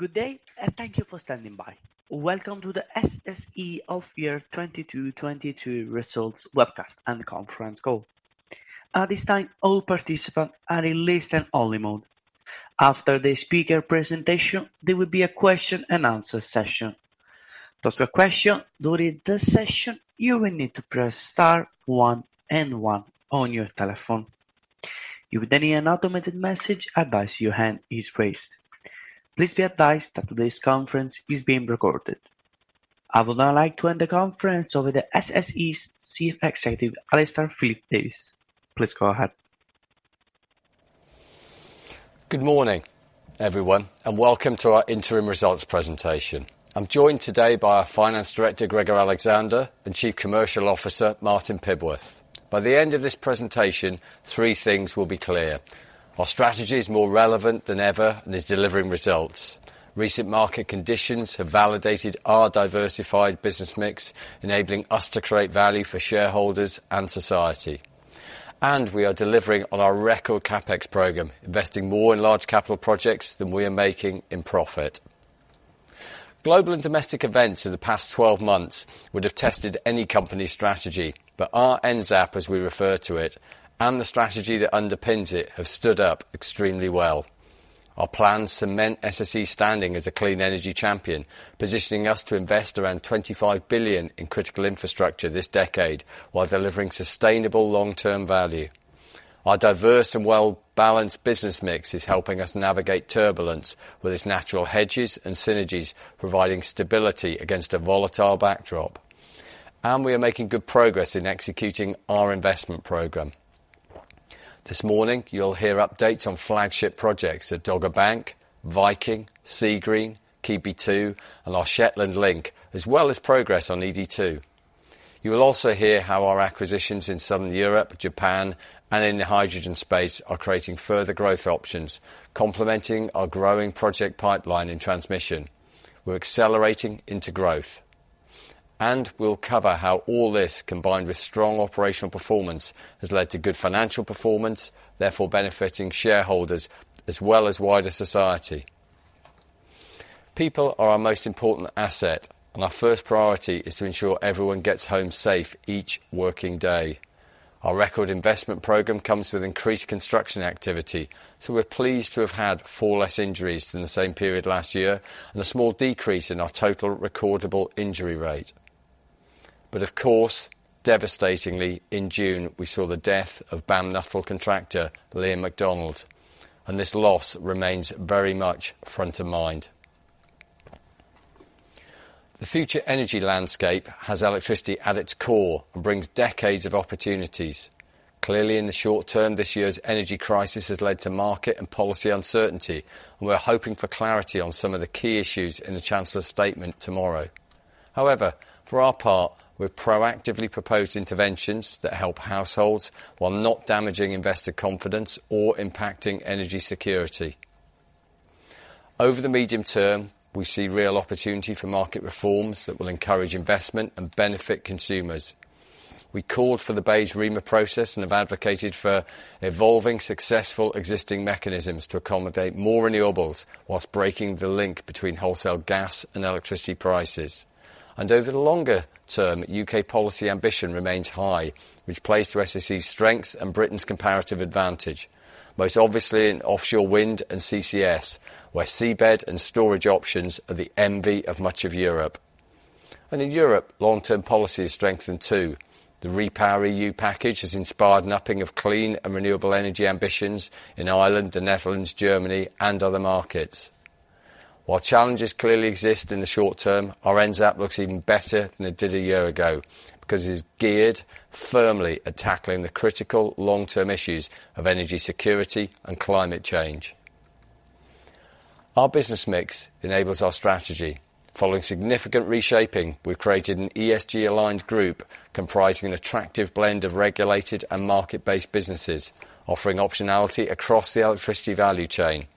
Good day, and thank you for standing by. Welcome to the SSE half-year 2022 results webcast and conference call. At this time, all participants are in listen-only mode. After the speaker presentation, there will be a question and answer session. To ask a question during the session, you will need to press star one and one on your telephone. You will then hear an automated message advising that your hand is raised. Please be advised that today's conference is being recorded. I would now like to hand the conference over to SSE's Chief Executive, Alistair Phillips-Davies. Please go ahead. Good morning, everyone, and welcome to our interim results presentation. I'm joined today by our Finance Director, Gregor Alexander, and Chief Commercial Officer, Martin Pibworth. By the end of this presentation, three things will be clear. Our strategy is more relevant than ever and is delivering results. Recent market conditions have validated our diversified business mix, enabling us to create value for shareholders and society. We are delivering on our record CapEx program, investing more in large capital projects than we are making in profit. Global and domestic events in the past 12 months would have tested any company's strategy, but our NZAP, as we refer to it, and the strategy that underpins it, have stood up extremely well. Our plans cement SSE's standing as a clean energy champion, positioning us to invest around 25 billion in critical infrastructure this decade while delivering sustainable long-term value. Our diverse and well-balanced business mix is helping us navigate turbulence with its natural hedges and synergies providing stability against a volatile backdrop. We are making good progress in executing our investment program. This morning, you'll hear updates on flagship projects at Dogger Bank, Viking, Seagreen, Keadby 2, and our Shetland Link, as well as progress on ED2. You will also hear how our acquisitions in Southern Europe, Japan, and in the hydrogen space are creating further growth options, complementing our growing project pipeline in transmission. We're accelerating into growth. We'll cover how all this, combined with strong operational performance, has led to good financial performance, therefore benefiting shareholders as well as wider society. People are our most important asset, and our first priority is to ensure everyone gets home safe each working day. Our record investment program comes with increased construction activity, so we're pleased to have had 4 less injuries than the same period last year and a small decrease in our total recordable injury rate. Of course, devastatingly, in June, we saw the death of BAM Nuttall contractor, Liam Macdonald, and this loss remains very much front of mind. The future energy landscape has electricity at its core and brings decades of opportunities. Clearly in the short term, this year's energy crisis has led to market and policy uncertainty, and we're hoping for clarity on some of the key issues in the Chancellor's statement tomorrow. However, for our part, we've proactively proposed interventions that help households while not damaging investor confidence or impacting energy security. Over the medium term, we see real opportunity for market reforms that will encourage investment and benefit consumers. We called for the BEIS REMA process and have advocated for evolving successful existing mechanisms to accommodate more renewables while breaking the link between wholesale gas and electricity prices. Over the longer term, U.K. policy ambition remains high, which plays to SSE's strength and Britain's comparative advantage, most obviously in offshore wind and CCS, where seabed and storage options are the envy of much of Europe. In Europe, long-term policy has strengthened too. The REPowerEU package has inspired an upping of clean and renewable energy ambitions in Ireland, the Netherlands, Germany and other markets. While challenges clearly exist in the short term, our NZAP looks even better than it did a year ago because it is geared firmly at tackling the critical long-term issues of energy security and climate change. Our business mix enables our strategy. Following significant reshaping, we've created an ESG-aligned group comprising an attractive blend of regulated and market-based businesses, offering optionality across the electricity value chain.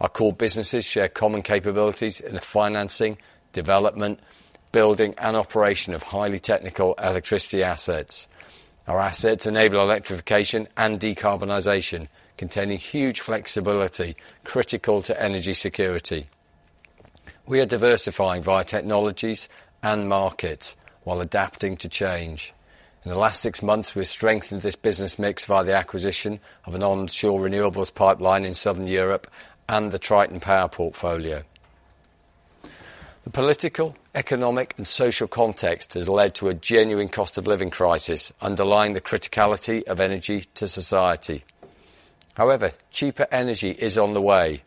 Our core businesses share common capabilities in the financing, development, building, and operation of highly technical electricity assets. Our assets enable electrification and decarbonization, containing huge flexibility critical to energy security. We are diversifying via technologies and markets while adapting to change. In the last six months, we've strengthened this business mix via the acquisition of an onshore renewables pipeline in Southern Europe and the Triton Power portfolio. The political, economic, and social context has led to a genuine cost of living crisis underlying the criticality of energy to society. However, cheaper energy is on the way.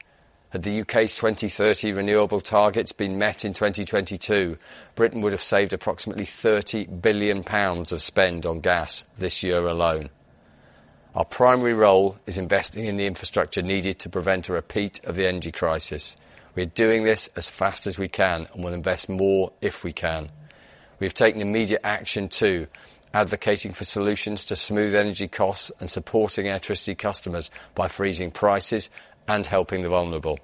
Had the U.K.'s 2030 renewable targets been met in 2022, Britain would have saved approximately 30 billion pounds of spend on gas this year alone. Our primary role is investing in the infrastructure needed to prevent a repeat of the energy crisis. We're doing this as fast as we can and will invest more if we can. We have taken immediate action too, advocating for solutions to smooth energy costs and supporting electricity customers by freezing prices and helping the vulnerable.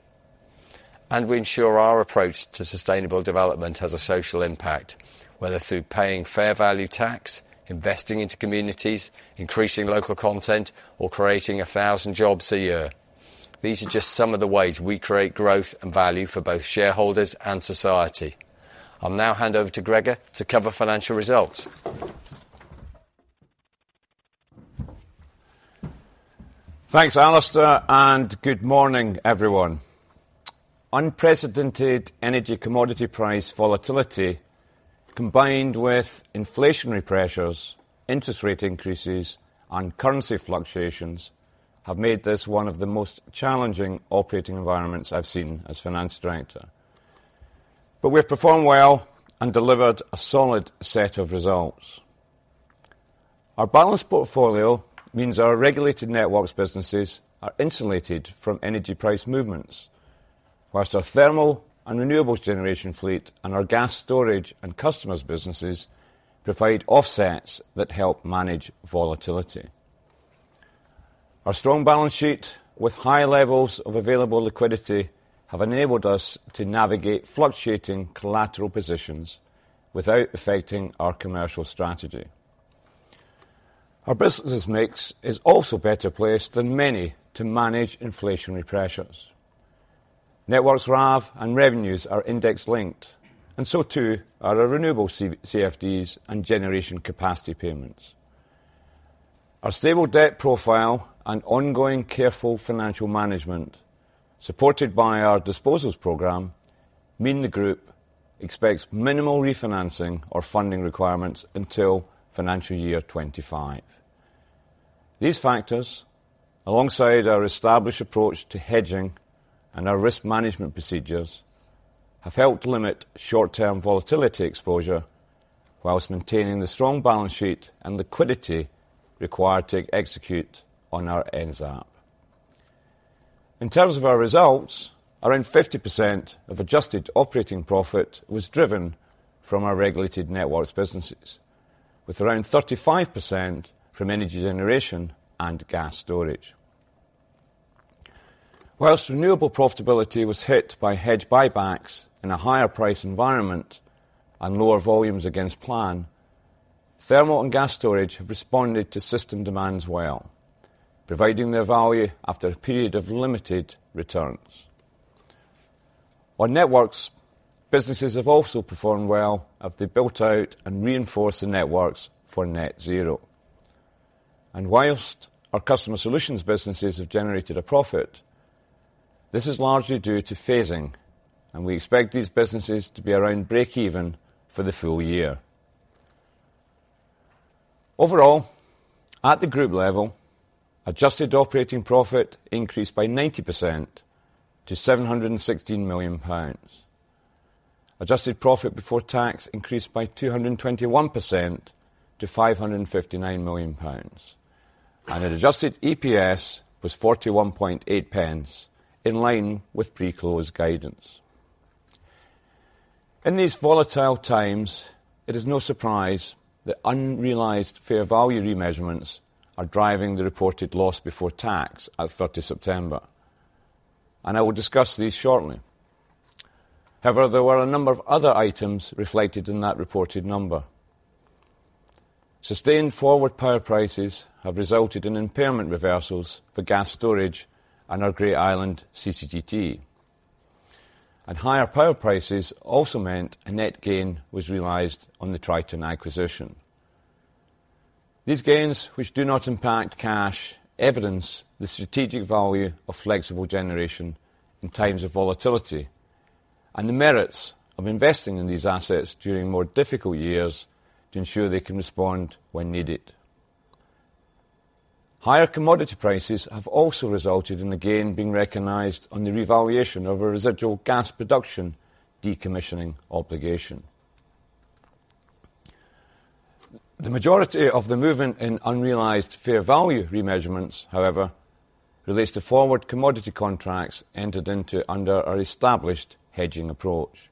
We ensure our approach to sustainable development has a social impact, whether through paying fair value tax, investing into communities, increasing local content, or creating 1,000 jobs a year. These are just some of the ways we create growth and value for both shareholders and society. I'll now hand over to Gregor to cover financial results. Thanks, Alistair, and good morning, everyone. Unprecedented energy commodity price volatility, combined with inflationary pressures, interest rate increases, and currency fluctuations, have made this one of the most challenging operating environments I've seen as finance director. We have performed well and delivered a solid set of results. Our balanced portfolio means our regulated networks businesses are insulated from energy price movements, while our thermal and renewables generation fleet and our gas storage and customers businesses provide offsets that help manage volatility. Our strong balance sheet with high levels of available liquidity have enabled us to navigate fluctuating collateral positions without affecting our commercial strategy. Our business mix is also better placed than many to manage inflationary pressures. Networks RAV and revenues are index-linked, and so too are our renewable CfDs and generation capacity payments. Our stable debt profile and ongoing careful financial management, supported by our disposals program, mean the group expects minimal refinancing or funding requirements until financial year 2025. These factors, alongside our established approach to hedging and our risk management procedures, have helped limit short-term volatility exposure while maintaining the strong balance sheet and liquidity required to execute on our NSAP. In terms of our results, around 50% of adjusted operating profit was driven from our regulated networks businesses, with around 35% from energy generation and gas storage. While renewable profitability was hit by hedge buybacks in a higher price environment and lower volumes against plan, thermal and gas storage have responded to system demands well, providing their value after a period of limited returns. On networks, businesses have also performed well as they built out and reinforced the networks for net zero. While our customer solutions businesses have generated a profit, this is largely due to phasing, and we expect these businesses to be around breakeven for the full year. Overall, at the group level, adjusted operating profit increased by 90% to 716 million pounds. Adjusted profit before tax increased by 221% to 559 million pounds. Adjusted EPS was 41.8 pence, in line with pre-close guidance. In these volatile times, it is no surprise that unrealized fair value remeasurements are driving the reported loss before tax at 30 September, and I will discuss these shortly. However, there were a number of other items reflected in that reported number. Sustained forward power prices have resulted in impairment reversals for gas storage and our Great Island CCGT. Higher power prices also meant a net gain was realized on the Triton acquisition. These gains, which do not impact cash, evidence the strategic value of flexible generation in times of volatility and the merits of investing in these assets during more difficult years to ensure they can respond when needed. Higher commodity prices have also resulted in a gain being recognized on the revaluation of a residual gas production decommissioning obligation. The majority of the movement in unrealized fair value remeasurements, however, relates to forward commodity contracts entered into under our established hedging approach.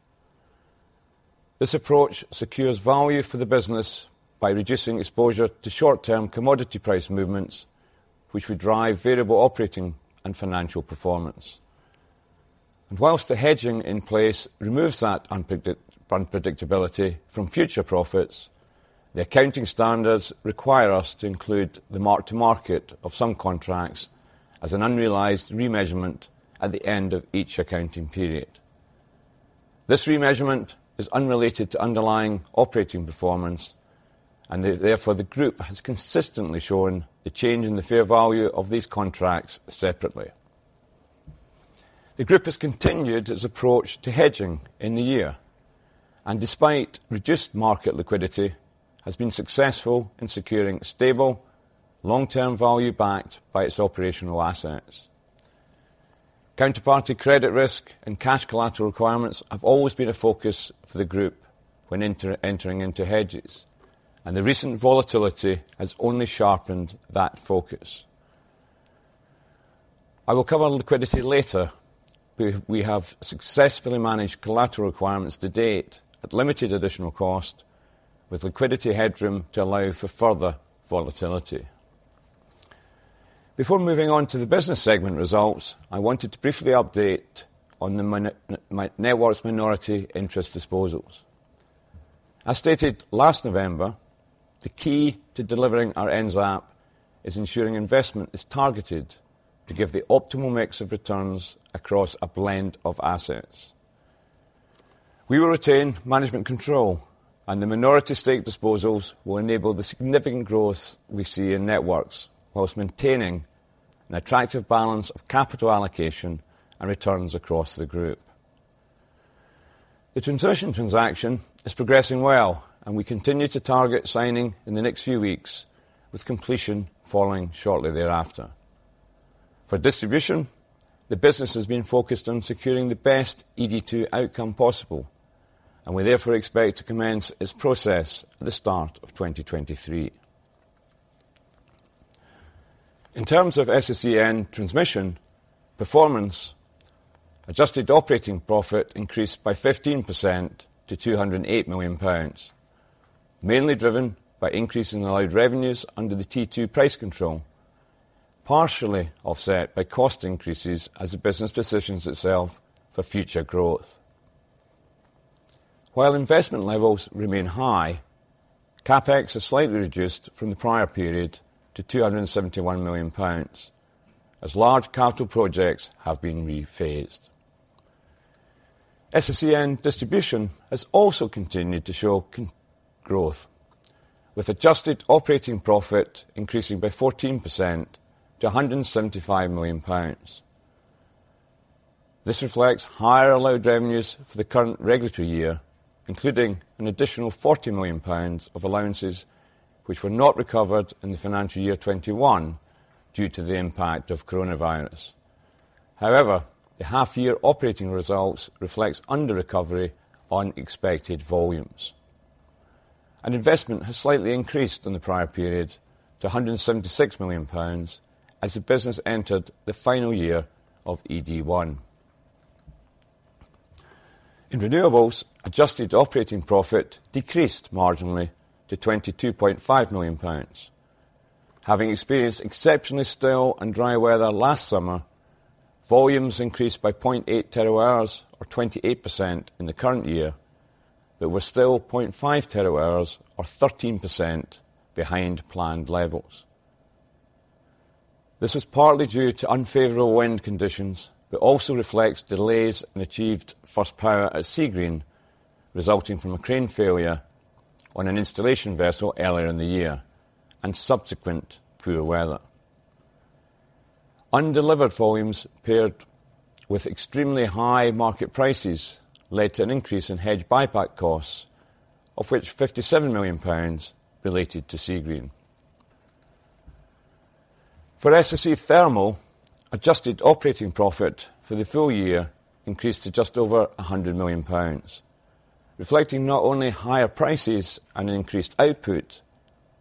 This approach secures value for the business by reducing exposure to short-term commodity price movements, which would drive variable operating and financial performance. While the hedging in place removes that unpredictability from future profits, the accounting standards require us to include the mark to market of some contracts as an unrealized remeasurement at the end of each accounting period. This remeasurement is unrelated to underlying operating performance, and therefore, the group has consistently shown the change in the fair value of these contracts separately. The group has continued its approach to hedging in the year and, despite reduced market liquidity, has been successful in securing stable, long-term value backed by its operational assets. Counterparty credit risk and cash collateral requirements have always been a focus for the group when entering into hedges, and the recent volatility has only sharpened that focus. I will cover liquidity later. We have successfully managed collateral requirements to date at limited additional cost with liquidity headroom to allow for further volatility. Before moving on to the business segment results, I wanted to briefly update on the Networks minority interest disposals. As stated last November, the key to delivering our NZAP is ensuring investment is targeted to give the optimal mix of returns across a blend of assets. We will retain management control, and the minority stake disposals will enable the significant growth we see in Networks while maintaining an attractive balance of capital allocation and returns across the group. The Transmission transaction is progressing well, and we continue to target signing in the next few weeks, with completion following shortly thereafter. For Distribution, the business has been focused on securing the best ED2 outcome possible, and we therefore expect to commence its process at the start of 2023. In terms of SSEN Transmission performance, adjusted operating profit increased by 15% to 208 million pounds, mainly driven by increasing allowed revenues under the T2 price control, partially offset by cost increases as the business positions itself for future growth. While investment levels remain high, CapEx has slightly reduced from the prior period to 271 million pounds as large capital projects have been rephased. SSEN Distribution has also continued to show growth, with adjusted operating profit increasing by 14% to 175 million pounds. This reflects higher allowed revenues for the current regulatory year, including an additional 40 million pounds of allowances which were not recovered in the financial year 2021 due to the impact of coronavirus. However, the half year operating results reflects under recovery on expected volumes. Investment has slightly increased in the prior period to 176 million pounds as the business entered the final year of ED1. In Renewables, adjusted operating profit decreased marginally to 22.5 million pounds. Having experienced exceptionally still and dry weather last summer, volumes increased by 0.8 TWh, or 28% in the current year, but were still 0.5 TWh, or 13% behind planned levels. This was partly due to unfavorable wind conditions, but also reflects delays in achieved first power at Seagreen resulting from a crane failure on an installation vessel earlier in the year and subsequent poor weather. Undelivered volumes paired with extremely high market prices led to an increase in hedge buyback costs, of which 57 million pounds related to Seagreen. For SSE Thermal, adjusted operating profit for the full year increased to just over 100 million pounds, reflecting not only higher prices and increased output,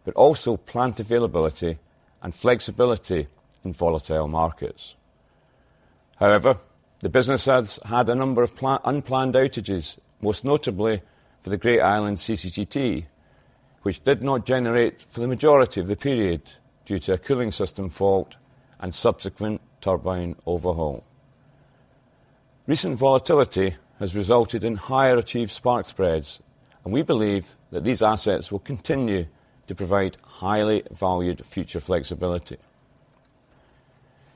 but also plant availability and flexibility in volatile markets. However, the business has had a number of unplanned outages, most notably for the Great Island CCGT, which did not generate for the majority of the period due to a cooling system fault and subsequent turbine overhaul. Recent volatility has resulted in higher achieved spark spreads, and we believe that these assets will continue to provide highly valued future flexibility.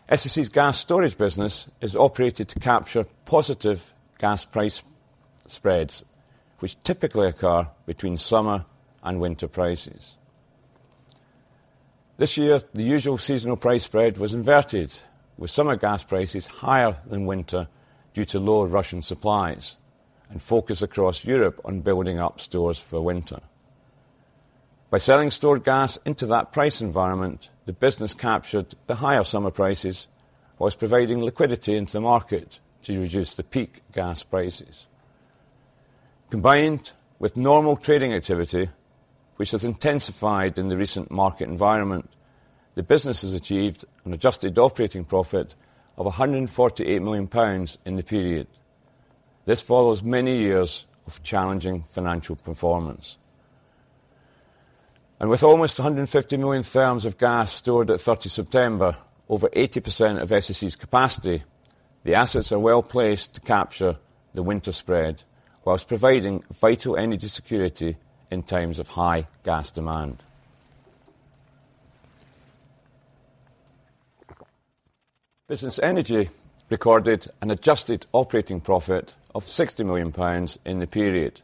SSE's gas storage business is operated to capture positive gas price spreads, which typically occur between summer and winter prices. This year, the usual seasonal price spread was inverted, with summer gas prices higher than winter due to lower Russian supplies and focus across Europe on building up stores for winter. By selling stored gas into that price environment, the business captured the higher summer prices while providing liquidity into the market to reduce the peak gas prices. Combined with normal trading activity, which has intensified in the recent market environment, the business has achieved an adjusted operating profit of GBP 148 million in the period. This follows many years of challenging financial performance. With almost 150 million therms of gas stored at 30 September, over 80% of SSE's capacity, the assets are well-placed to capture the winter spread while providing vital energy security in times of high gas demand. Business Energy recorded an adjusted operating profit of 60 million pounds in the period,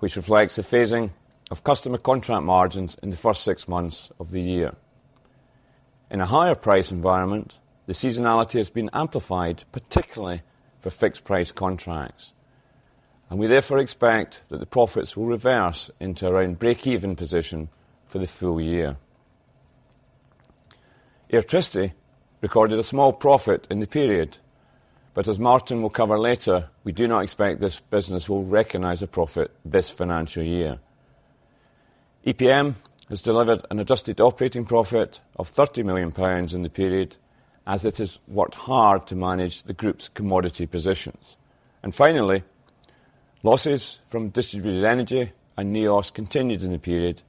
which reflects the phasing of customer contract margins in the first six months of the year. In a higher price environment, the seasonality has been amplified, particularly for fixed price contracts, and we therefore expect that the profits will reverse into around break-even position for the full year. Electricity recorded a small profit in the period, but as Martin will cover later, we do not expect this business will recognize a profit this financial year. EPM has delivered an adjusted operating profit of GBP 30 million in the period as it has worked hard to manage the group's commodity positions. Finally, losses from distributed energy and Neos continued in the period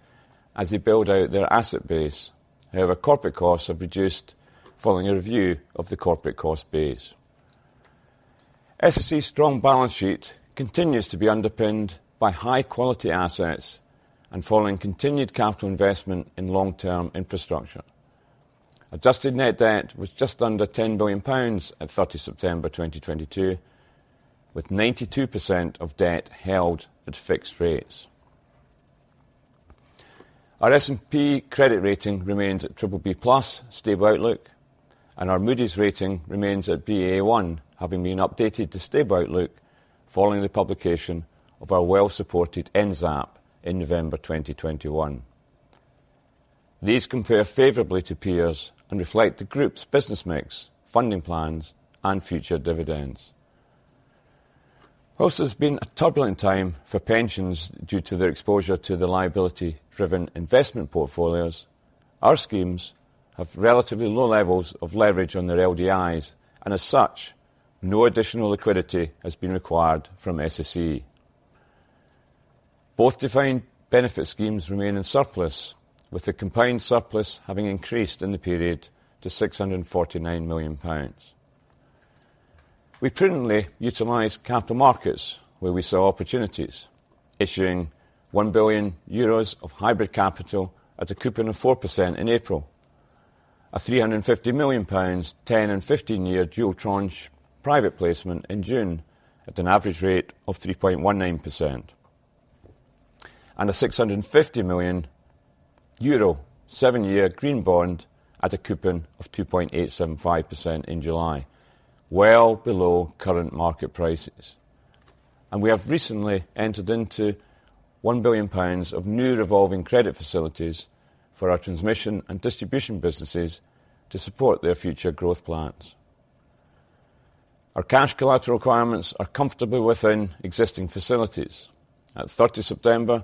as they build out their asset base. However, corporate costs have reduced following a review of the corporate cost base. SSE's strong balance sheet continues to be underpinned by high-quality assets and following continued capital investment in long-term infrastructure. Adjusted net debt was just under 10 billion pounds at 30 September 2022, with 92% of debt held at fixed rates. Our S&P credit rating remains at BBB+ stable outlook, and our Moody's rating remains at Baa1, having been updated to stable outlook following the publication of our well-supported NZAP in November 2021. These compare favorably to peers and reflect the group's business mix, funding plans, and future dividends. Whilst it has been a turbulent time for pensions due to their exposure to the liability-driven investment portfolios, our schemes have relatively low levels of leverage on their LDIs, and as such, no additional liquidity has been required from SSE. Both defined benefit schemes remain in surplus, with the combined surplus having increased in the period to 649 million pounds. We prudently utilize capital markets where we saw opportunities, issuing 1 billion euros of hybrid capital at a coupon of 4% in April, a 350 million pounds, 10- and 15-year dual tranche private placement in June at an average rate of 3.19%, and a 650 million euro seven-year green bond at a coupon of 2.875% in July, well below current market prices. We have recently entered into 1 billion pounds of new revolving credit facilities for our transmission and distribution businesses to support their future growth plans. Our cash collateral requirements are comfortably within existing facilities. At 30 September,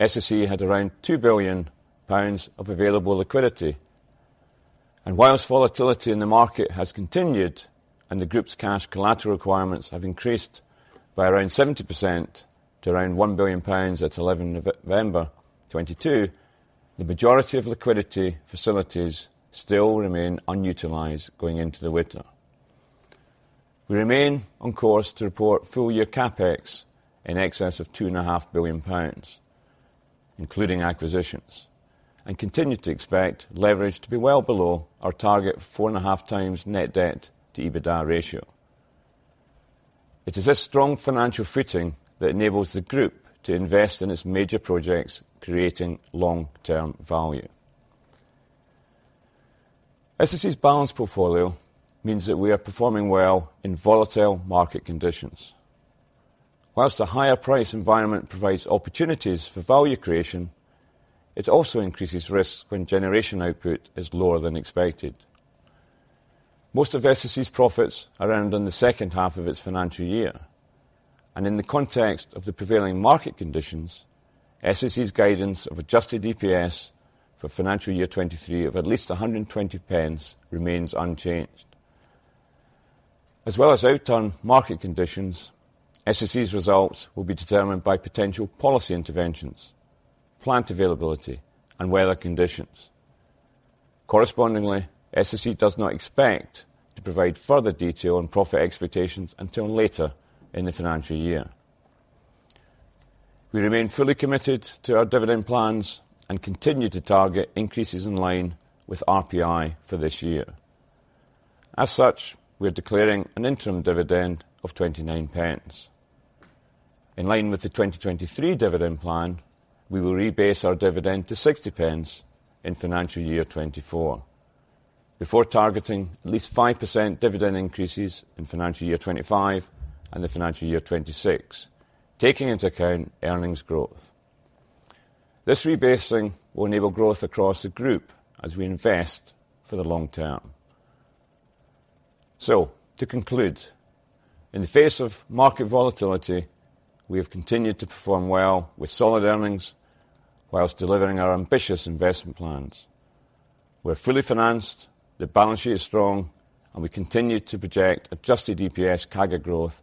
SSE had around 2 billion pounds of available liquidity. While volatility in the market has continued and the group's cash collateral requirements have increased by around 70% to around 1 billion pounds at 11 November 2022, the majority of liquidity facilities still remain unutilized going into the winter. We remain on course to report full-year CapEx in excess of 2.5 billion pounds, including acquisitions, and continue to expect leverage to be well below our target of 4.5x net debt to EBITDA ratio. It is this strong financial footing that enables the group to invest in its major projects, creating long-term value. SSE's balanced portfolio means that we are performing well in volatile market conditions. While a higher price environment provides opportunities for value creation, it also increases risks when generation output is lower than expected. Most of SSE's profits are earned in the second half of its financial year, and in the context of the prevailing market conditions, SSE's guidance of adjusted EPS for financial year 2023 of at least 1.20 remains unchanged. As well as outturn market conditions, SSE's results will be determined by potential policy interventions, plant availability, and weather conditions. Correspondingly, SSE does not expect to provide further detail on profit expectations until later in the financial year. We remain fully committed to our dividend plans and continue to target increases in line with RPI for this year. As such, we are declaring an interim dividend of 0.29. In line with the 2023 dividend plan, we will rebase our dividend to 0.60 in financial year 2024 before targeting at least 5% dividend increases in financial year 2025 and financial year 2026, taking into account earnings growth. This rebasing will enable growth across the group as we invest for the long term. To conclude, in the face of market volatility, we have continued to perform well with solid earnings whilst delivering our ambitious investment plans. We're fully financed, the balance sheet is strong, and we continue to project adjusted EPS CAGR growth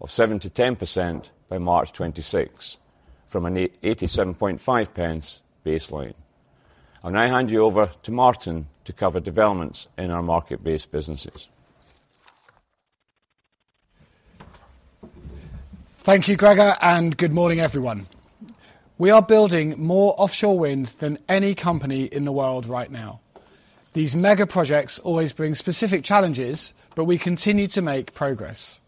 of 7%-10% by March 2026 from a 8.875 baseline. I'll now hand you over to Martin to cover developments in our market-based businesses. Thank you, Gregor, and good morning, everyone. We are building more offshore wind than any company in the world right now. These mega projects always bring specific challenges, but we continue to make progress.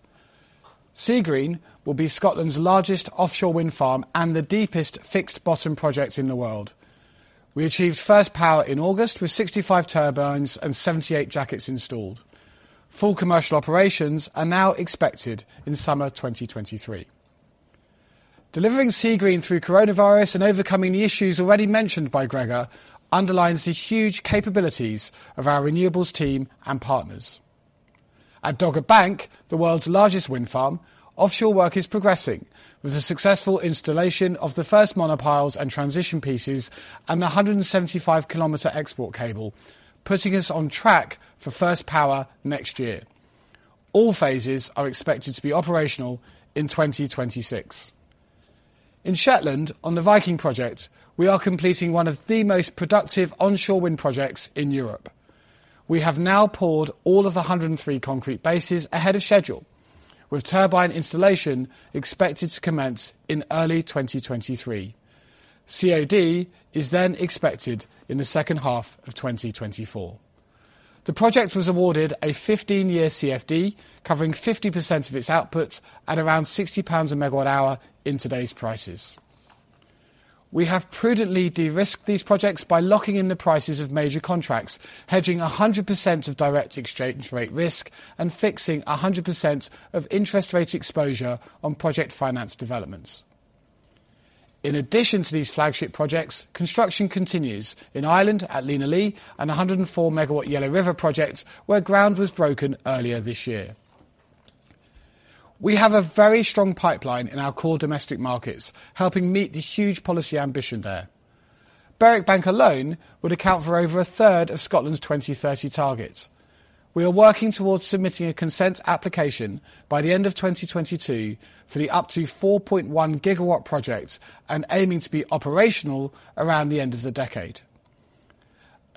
Seagreen will be Scotland's largest offshore wind farm and the deepest fixed-bottom project in the world. We achieved first power in August with 65 turbines and 78 jackets installed. Full commercial operations are now expected in summer 2023. Delivering Seagreen through coronavirus and overcoming the issues already mentioned by Gregor underlines the huge capabilities of our renewables team and partners. At Dogger Bank, the world's largest wind farm, offshore work is progressing with the successful installation of the first monopiles and transition pieces and the 175-kilometer export cable, putting us on track for first power next year. All phases are expected to be operational in 2026. In Shetland on the Viking project, we are completing one of the most productive onshore wind projects in Europe. We have now poured all of the 103 concrete bases ahead of schedule, with turbine installation expected to commence in early 2023. COD is then expected in the second half of 2024. The project was awarded a 15-year CFD covering 50% of its output at around 60 pounds/MWh in today's prices. We have prudently de-risked these projects by locking in the prices of major contracts, hedging 100% of direct exchange rate risk and fixing 100% of interest rate exposure on project finance developments. In addition to these flagship projects, construction continues in Ireland at Lenalea and the 104-MW Yellow River project where ground was broken earlier this year. We have a very strong pipeline in our core domestic markets, helping meet the huge policy ambition there. Berwick Bank alone would account for over a third of Scotland's 2030 target. We are working towards submitting a consent application by the end of 2022 for the up to 4.1-GW project and aiming to be operational around the end of the decade.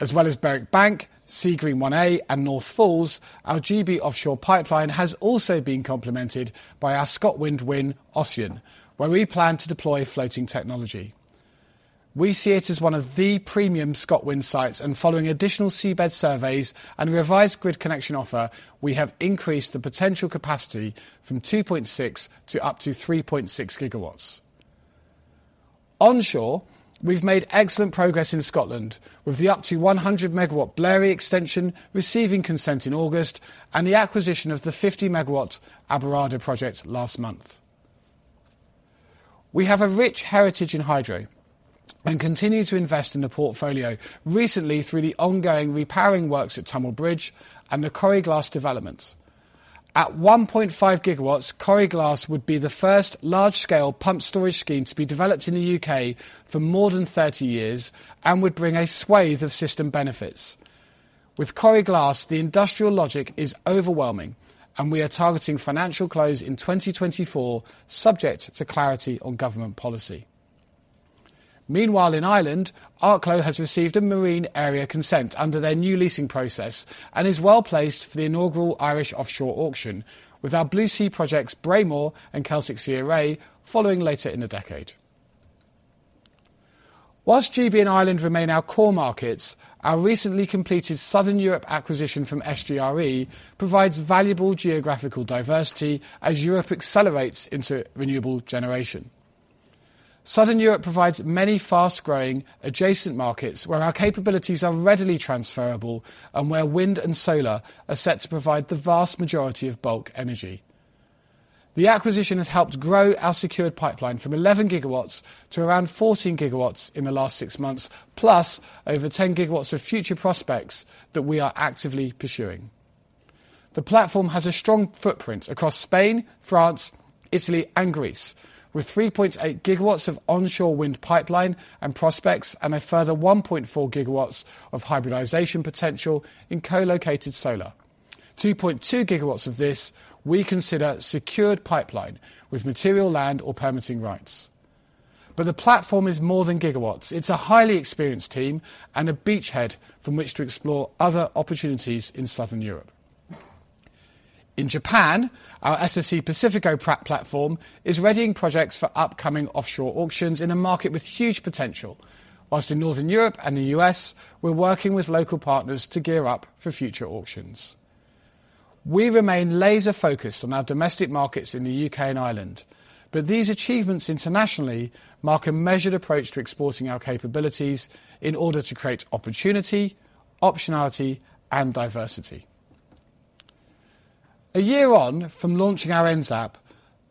As well as Berwick Bank, Seagreen 1A and North Falls, our GB offshore pipeline has also been complemented by our ScotWind win Ossian, where we plan to deploy floating technology. We see it as one of the premium ScotWind sites and following additional seabed surveys and a revised grid connection offer, we have increased the potential capacity from 2.6 GW to up to 3.6 GW. Onshore, we've made excellent progress in Scotland with the up to 100 MW Bhlaraidh extension receiving consent in August and the acquisition of the 50 MW Aberarder project last month. We have a rich heritage in hydro and continue to invest in the portfolio recently through the ongoing repowering works at Tummel Bridge and the Coire Glas development. At 1.5 GW, Coire Glas would be the first large-scale pump storage scheme to be developed in the U.K. for more than 30 years and would bring a swathe of system benefits. With Coire Glas, the industrial logic is overwhelming, and we are targeting financial close in 2024 subject to clarity on government policy. Meanwhile in Ireland, Arklow has received a Marine Area Consent under their new leasing process and is well placed for the inaugural Irish offshore auction with our BlueSea projects Braymore and Celtic Sea Array following later in the decade. While GB and Ireland remain our core markets, our recently completed Southern Europe acquisition from SGRE provides valuable geographical diversity as Europe accelerates into renewable generation. Southern Europe provides many fast-growing adjacent markets where our capabilities are readily transferable and where wind and solar are set to provide the vast majority of bulk energy. The acquisition has helped grow our secured pipeline from 11 gigawatts to around 14 gigawatts in the last six months, plus over 10 gigawatts of future prospects that we are actively pursuing. The platform has a strong footprint across Spain, France, Italy and Greece, with 3.8 gigawatts of onshore wind pipeline and prospects and a further 1.4 gigawatts of hybridization potential in co-located solar. 2.2 GW of this we consider secured pipeline with material land or permitting rights. The platform is more than gigawatts. It's a highly experienced team and a beachhead from which to explore other opportunities in Southern Europe. In Japan, our SSE Pacifico platform is readying projects for upcoming offshore auctions in a market with huge potential. Whilst in Northern Europe and the US, we're working with local partners to gear up for future auctions. We remain laser focused on our domestic markets in the UK and Ireland, but these achievements internationally mark a measured approach to exporting our capabilities in order to create opportunity, optionality and diversity. A year on from launching our NZAP,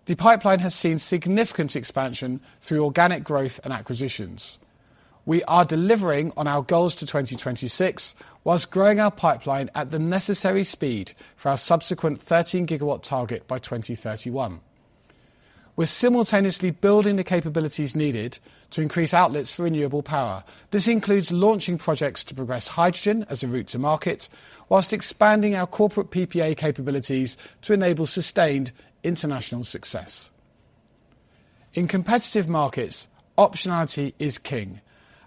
the pipeline has seen significant expansion through organic growth and acquisitions. We are delivering on our goals to 2026 while growing our pipeline at the necessary speed for our subsequent 13 GW target by 2031. We're simultaneously building the capabilities needed to increase outlets for renewable power. This includes launching projects to progress hydrogen as a route to market while expanding our corporate PPA capabilities to enable sustained international success. In competitive markets, optionality is king,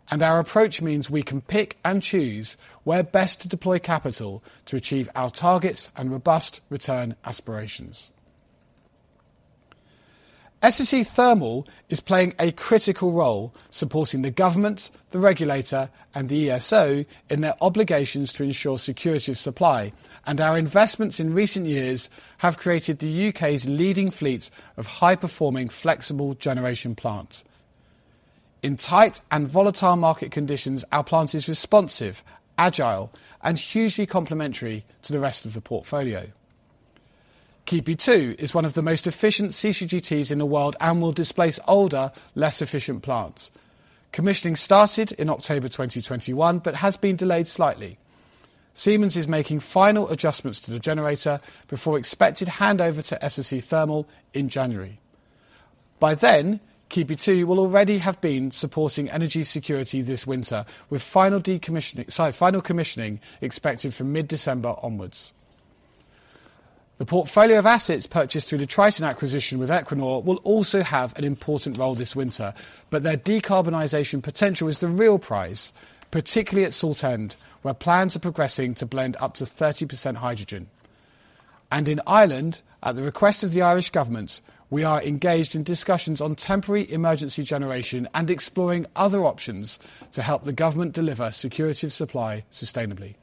and our approach means we can pick and choose where best to deploy capital to achieve our targets and robust return aspirations. SSE Thermal is playing a critical role supporting the government, the regulator and the ESO in their obligations to ensure security of supply. Our investments in recent years have created the UK's leading fleet of high-performing, flexible generation plants. In tight and volatile market conditions, our plant is responsive, agile and hugely complementary to the rest of the portfolio. Keadby 2 is one of the most efficient CCGTs in the world and will displace older, less efficient plants. Commissioning started in October 2021, but has been delayed slightly. Siemens is making final adjustments to the generator before expected handover to SSE Thermal in January. By then, Keadby 2 will already have been supporting energy security this winter with final commissioning expected from mid-December onwards. The portfolio of assets purchased through the Triton acquisition with Equinor will also have an important role this winter, but their decarbonization potential is the real prize, particularly at Saltend, where plans are progressing to blend up to 30% hydrogen. In Ireland, at the request of the Irish government, we are engaged in discussions on temporary emergency generation and exploring other options to help the government deliver security of supply sustainably.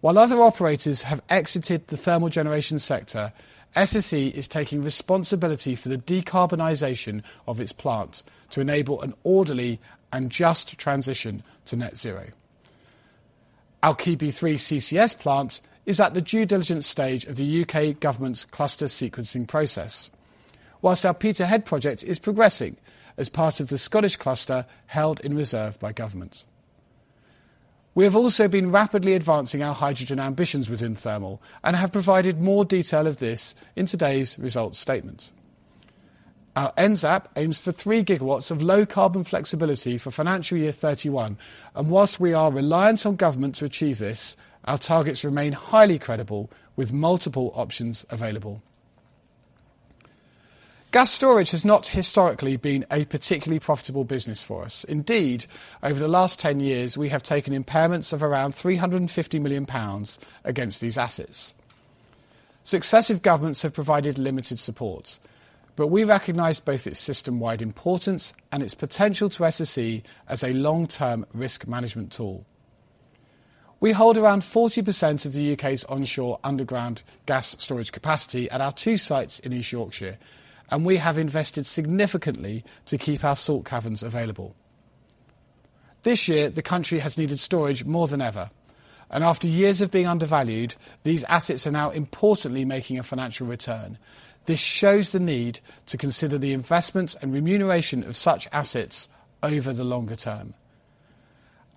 While other operators have exited the thermal generation sector, SSE is taking responsibility for the decarbonization of its plants to enable an orderly and just transition to net zero. Our Keadby Three CCS plant is at the due diligence stage of the U.K. government's cluster sequencing process. While our Peterhead project is progressing as part of the Scottish cluster held in reserve by government. We have also been rapidly advancing our hydrogen ambitions within thermal and have provided more detail of this in today's results statement. Our NSAP aims for three gigawatts of low-carbon flexibility for financial year 31, and while we are reliant on government to achieve this, our targets remain highly credible with multiple options available. Gas storage has not historically been a particularly profitable business for us. Indeed, over the last 10 years, we have taken impairments of around 350 million pounds against these assets. Successive governments have provided limited support, but we recognize both its system-wide importance and its potential to SSE as a long-term risk management tool. We hold around 40% of the U.K.'s onshore underground gas storage capacity at our two sites in East Yorkshire, and we have invested significantly to keep our salt caverns available. This year, the country has needed storage more than ever, and after years of being undervalued, these assets are now importantly making a financial return. This shows the need to consider the investments and remuneration of such assets over the longer term.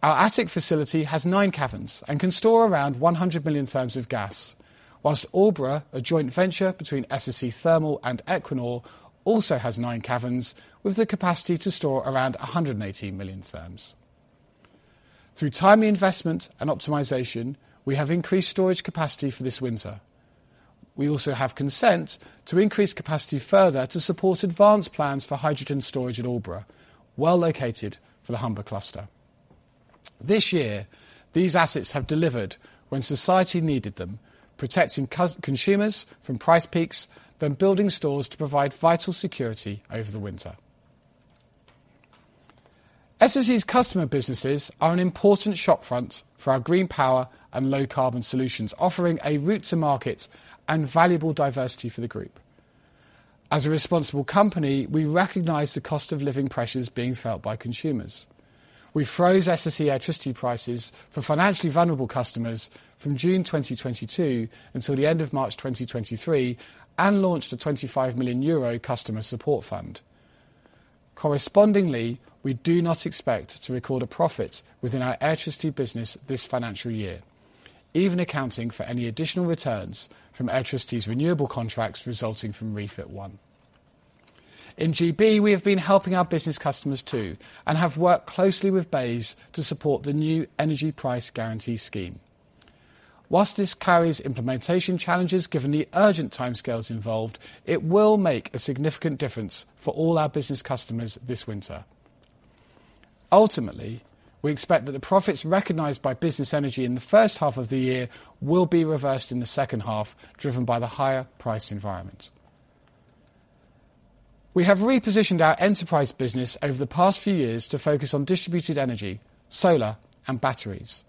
Our Atwick facility has nine caverns and can store around 100 million therms of gas, while Aldbrough, a joint venture between SSE Thermal and Equinor, also has nine caverns with the capacity to store around 118 million therms. Through timely investment and optimization, we have increased storage capacity for this winter. We also have consent to increase capacity further to support advanced plans for hydrogen storage at Aldbrough, well located for the Humber cluster. This year, these assets have delivered when society needed them, protecting customers and consumers from price peaks, then building stores to provide vital security over the winter. SSE's customer businesses are an important shop front for our green power and low-carbon solutions, offering a route to market and valuable diversity for the group. As a responsible company, we recognize the cost-of-living pressures being felt by consumers. We froze SSE Airtricity prices for financially vulnerable customers from June 2022 until the end of March 2023 and launched a 25 million euro customer support fund. Correspondingly, we do not expect to record a profit within our Airtricity business this financial year, even accounting for any additional returns from Airtricity's renewable contracts resulting from REFIT 1. In GB, we have been helping our business customers too and have worked closely with BEIS to support the new energy price guarantee scheme. While this carries implementation challenges, given the urgent timescales involved, it will make a significant difference for all our business customers this winter. Ultimately, we expect that the profits recognized by business energy in the first half of the year will be reversed in the second half, driven by the higher price environment. We have repositioned our enterprise business over the past few years to focus on distributed energy, solar and batteries.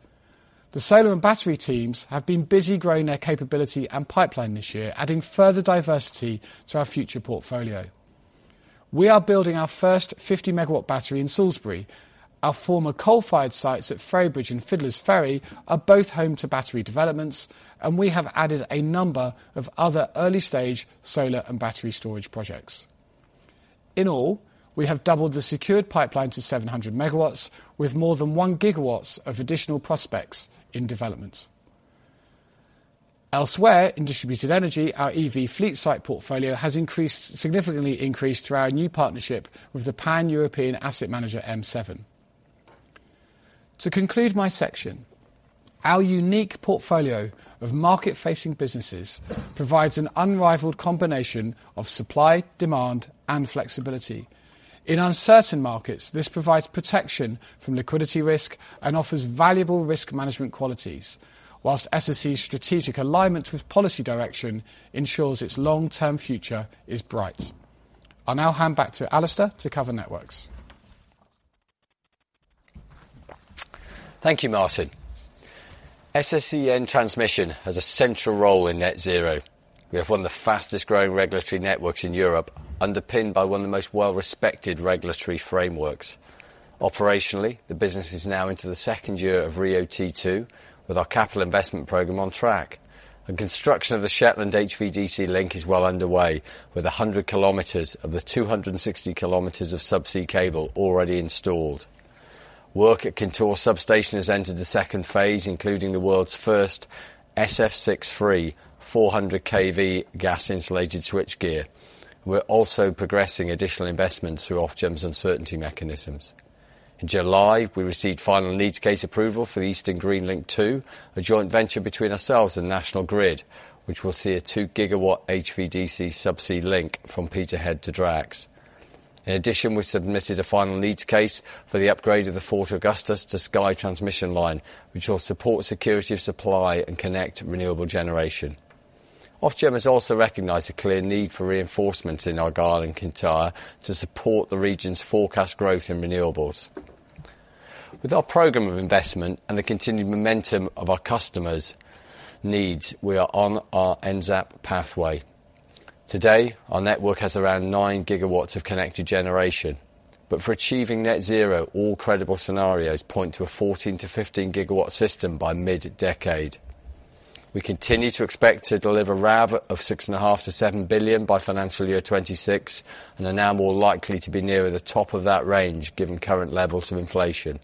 The solar and battery teams have been busy growing their capability and pipeline this year, adding further diversity to our future portfolio. We are building our first 50 MW battery in Salisbury. Our former coal-fired sites at Ferrybridge and Fiddler's Ferry are both home to battery developments, and we have added a number of other early-stage solar and battery storage projects. In all, we have doubled the secured pipeline to 700 MW with more than 1 GW of additional prospects in development. Elsewhere, in distributed energy, our EV fleet site portfolio has increased, significantly increased through our new partnership with the Pan-European asset manager M7 Real Estate. To conclude my section, our unique portfolio of market-facing businesses provides an unrivaled combination of supply, demand, and flexibility. In uncertain markets, this provides protection from liquidity risk and offers valuable risk management qualities, while SSE's strategic alignment with policy direction ensures its long-term future is bright. I'll now hand back to Alistair to cover networks. Thank you, Martin. SSEN Transmission has a central role in net zero. We have one of the fastest-growing regulatory networks in Europe, underpinned by one of the most well-respected regulatory frameworks. Operationally, the business is now into the second year of RIIO-T2 with our capital investment program on track. Construction of the Shetland HVDC link is well underway, with 100 km of the 260 km of subsea cable already installed. Work at Kintore substation has entered the second phase, including the world's first SF6-free 400 kV gas-insulated switchgear. We're also progressing additional investments through Ofgem's uncertainty mechanisms. In July, we received final needs case approval for the Eastern Green Link 2, a joint venture between ourselves and National Grid, which will see a 2 GW HVDC subsea link from Peterhead to Drax. In addition, we submitted a final needs case for the upgrade of the Fort Augustus to Skye transmission line, which will support security of supply and connect renewable generation. Ofgem has also recognized a clear need for reinforcement in Argyll and Kintyre to support the region's forecast growth in renewables. With our program of investment and the continued momentum of our customers' needs, we are on our NZAP pathway. Today, our network has around 9 GW of connected generation, but for achieving net zero, all credible scenarios point to a 14-15 GW system by mid-decade. We continue to expect to deliver RAV of 6.5 billion-7 billion by financial year 2026, and are now more likely to be nearer the top of that range given current levels of inflation.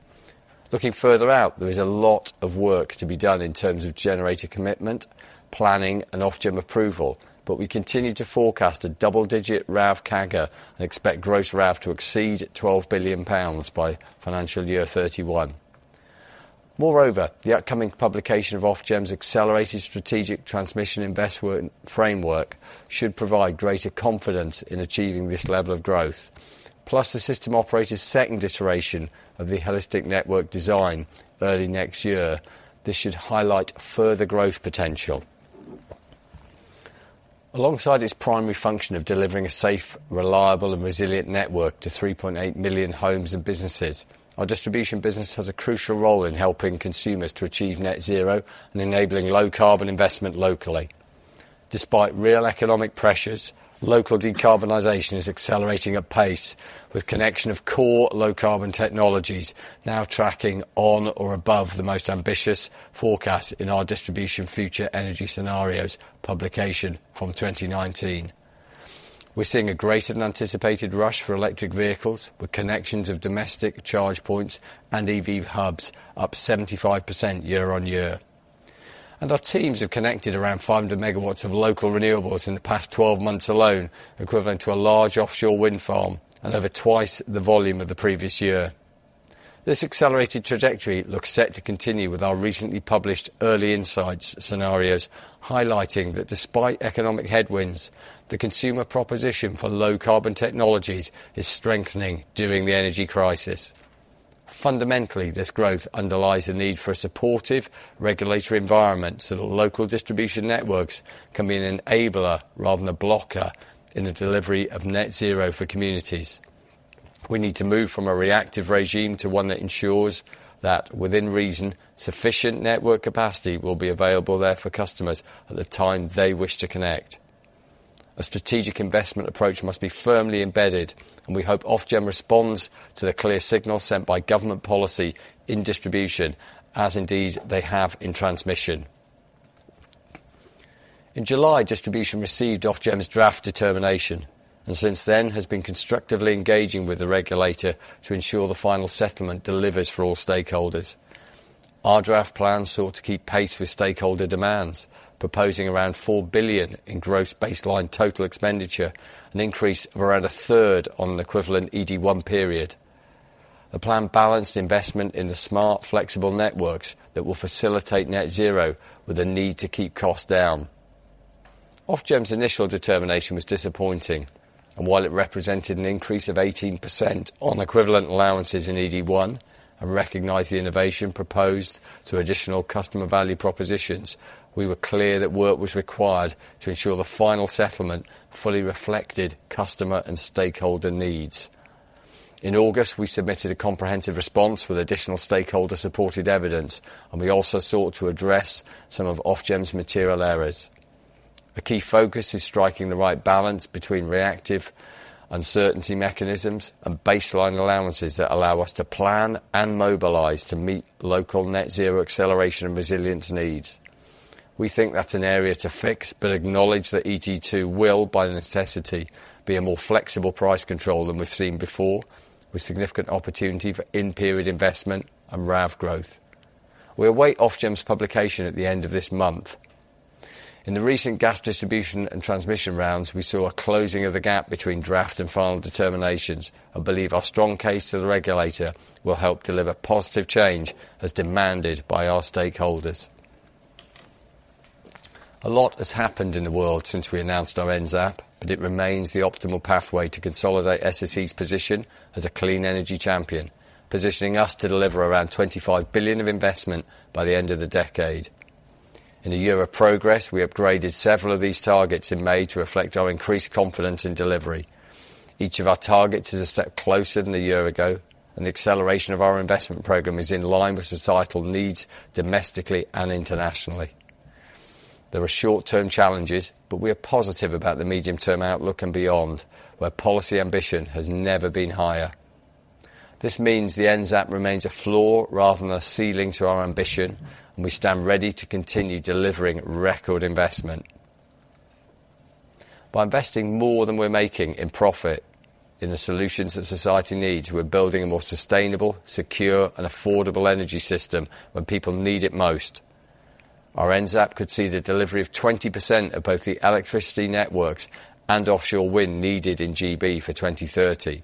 Looking further out, there is a lot of work to be done in terms of generator commitment, planning and Ofgem approval, but we continue to forecast a double-digit RAV CAGR and expect gross RAV to exceed 12 billion pounds by financial year 2031. Moreover, the upcoming publication of Ofgem's accelerated strategic transmission investment framework should provide greater confidence in achieving this level of growth. The system operator's second iteration of the holistic network design early next year. This should highlight further growth potential. Alongside its primary function of delivering a safe, reliable, and resilient network to 3.8 million homes and businesses, our distribution business has a crucial role in helping consumers to achieve net zero and enabling low carbon investment locally. Despite real economic pressures, local decarbonization is accelerating apace with connection of core low carbon technologies now tracking on or above the most ambitious forecast in our distribution future energy scenarios publication from 2019. We're seeing a greater than anticipated rush for electric vehicles with connections of domestic charge points and EV hubs up 75% year-on-year. Our teams have connected around 500 MW of local renewables in the past 12 months alone, equivalent to a large offshore wind farm and over twice the volume of the previous year. This accelerated trajectory looks set to continue with our recently published early insights scenarios, highlighting that despite economic headwinds, the consumer proposition for low carbon technologies is strengthening during the energy crisis. Fundamentally, this growth underlies the need for a supportive regulatory environment so that local distribution networks can be an enabler rather than a blocker in the delivery of net zero for communities. We need to move from a reactive regime to one that ensures that within reason, sufficient network capacity will be available there for customers at the time they wish to connect. A strategic investment approach must be firmly embedded, and we hope Ofgem responds to the clear signal sent by government policy in distribution, as indeed they have in transmission. In July, distribution received Ofgem's draft determination and since then has been constructively engaging with the regulator to ensure the final settlement delivers for all stakeholders. Our draft plan sought to keep pace with stakeholder demands, proposing around 4 billion in gross baseline total expenditure, an increase of around a third on equivalent ED1 period. The plan balanced investment in the smart, flexible networks that will facilitate net zero with a need to keep costs down. Ofgem's initial determination was disappointing, and while it represented an increase of 18% on equivalent allowances in ED1, and recognized the innovation proposed to additional customer value propositions, we were clear that work was required to ensure the final settlement fully reflected customer and stakeholder needs. In August, we submitted a comprehensive response with additional stakeholder supported evidence, and we also sought to address some of Ofgem's material errors. A key focus is striking the right balance between reactive uncertainty mechanisms and baseline allowances that allow us to plan and mobilize to meet local net zero acceleration and resilience needs. We think that's an area to fix, but acknowledge that ED2 will, by necessity, be a more flexible price control than we've seen before, with significant opportunity for in-period investment and RAV growth. We await Ofgem's publication at the end of this month. In the recent gas distribution and transmission rounds, we saw a closing of the gap between draft and final determinations. I believe our strong case to the regulator will help deliver positive change as demanded by our stakeholders. A lot has happened in the world since we announced our NZAP, but it remains the optimal pathway to consolidate SSE's position as a clean energy champion, positioning us to deliver around 25 billion of investment by the end of the decade. In a year of progress, we upgraded several of these targets in May to reflect our increased confidence in delivery. Each of our targets is a step closer than a year ago, and the acceleration of our investment program is in line with societal needs domestically and internationally. There are short-term challenges, but we are positive about the medium-term outlook and beyond, where policy ambition has never been higher. This means the NSAP remains a floor rather than a ceiling to our ambition, and we stand ready to continue delivering record investment. By investing more than we're making in profit in the solutions that society needs, we're building a more sustainable, secure, and affordable energy system when people need it most. Our NSAP could see the delivery of 20% of both the electricity networks and offshore wind needed in GB for 2030.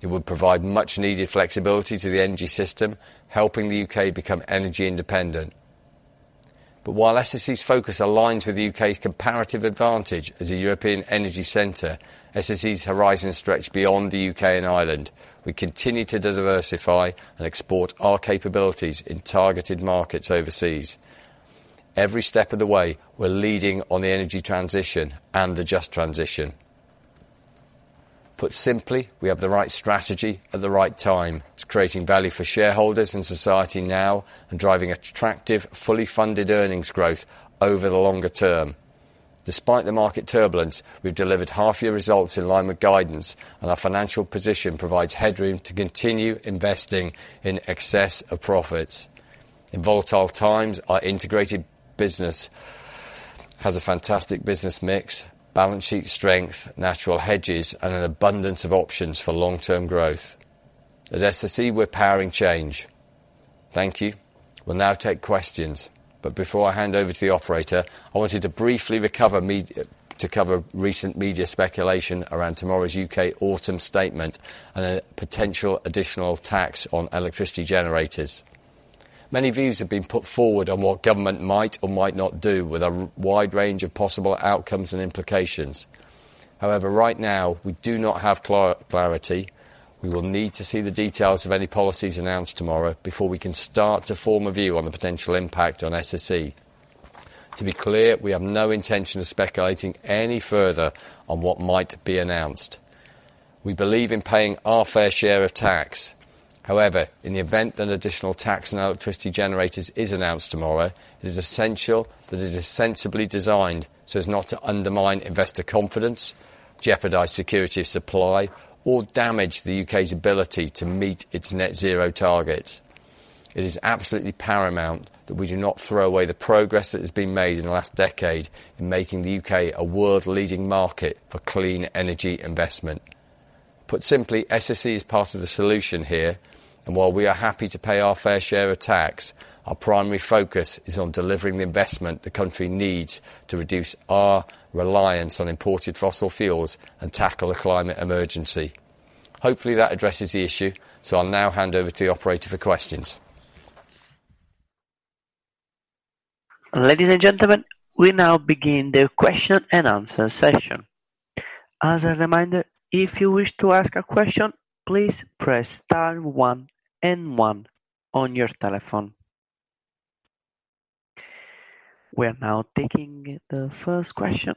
It would provide much needed flexibility to the energy system, helping the U.K. Become energy independent. While SSE's focus aligns with the U.K.'s comparative advantage as a European energy center, SSE's horizon stretches beyond the U.K. and Ireland. We continue to diversify and export our capabilities in targeted markets overseas. Every step of the way, we're leading on the energy transition and the just transition. Put simply, we have the right strategy at the right time. It's creating value for shareholders and society now and driving attractive, fully funded earnings growth over the longer term. Despite the market turbulence, we've delivered half year results in line with guidance, and our financial position provides headroom to continue investing in excess of profits. In volatile times, our integrated business has a fantastic business mix, balance sheet strength, natural hedges, and an abundance of options for long-term growth. At SSE, we're powering change. Thank you. We'll now take questions. Before I hand over to the operator, I wanted to briefly cover recent media speculation around tomorrow's U.K. Autumn Statement and a potential additional tax on electricity generators. Many views have been put forward on what government might or might not do with a wide range of possible outcomes and implications. However, right now, we do not have clarity. We will need to see the details of any policies announced tomorrow before we can start to form a view on the potential impact on SSE. To be clear, we have no intention of speculating any further on what might be announced. We believe in paying our fair share of tax. However, in the event that additional tax on electricity generators is announced tomorrow, it is essential that it is sensibly designed so as not to undermine investor confidence, jeopardize security of supply, or damage the U.K.'s ability to meet its net zero targets. It is absolutely paramount that we do not throw away the progress that has been made in the last decade in making the U.K. a world leading market for clean energy investment. Put simply, SSE is part of the solution here. While we are happy to pay our fair share of tax, our primary focus is on delivering the investment the country needs to reduce our reliance on imported fossil fuels and tackle the climate emergency. Hopefully, that addresses the issue, so I'll now hand over to the operator for questions. Ladies and gentlemen, we now begin the question and answer session. As a reminder, if you wish to ask a question, please press star one and one on your telephone. We are now taking the first question.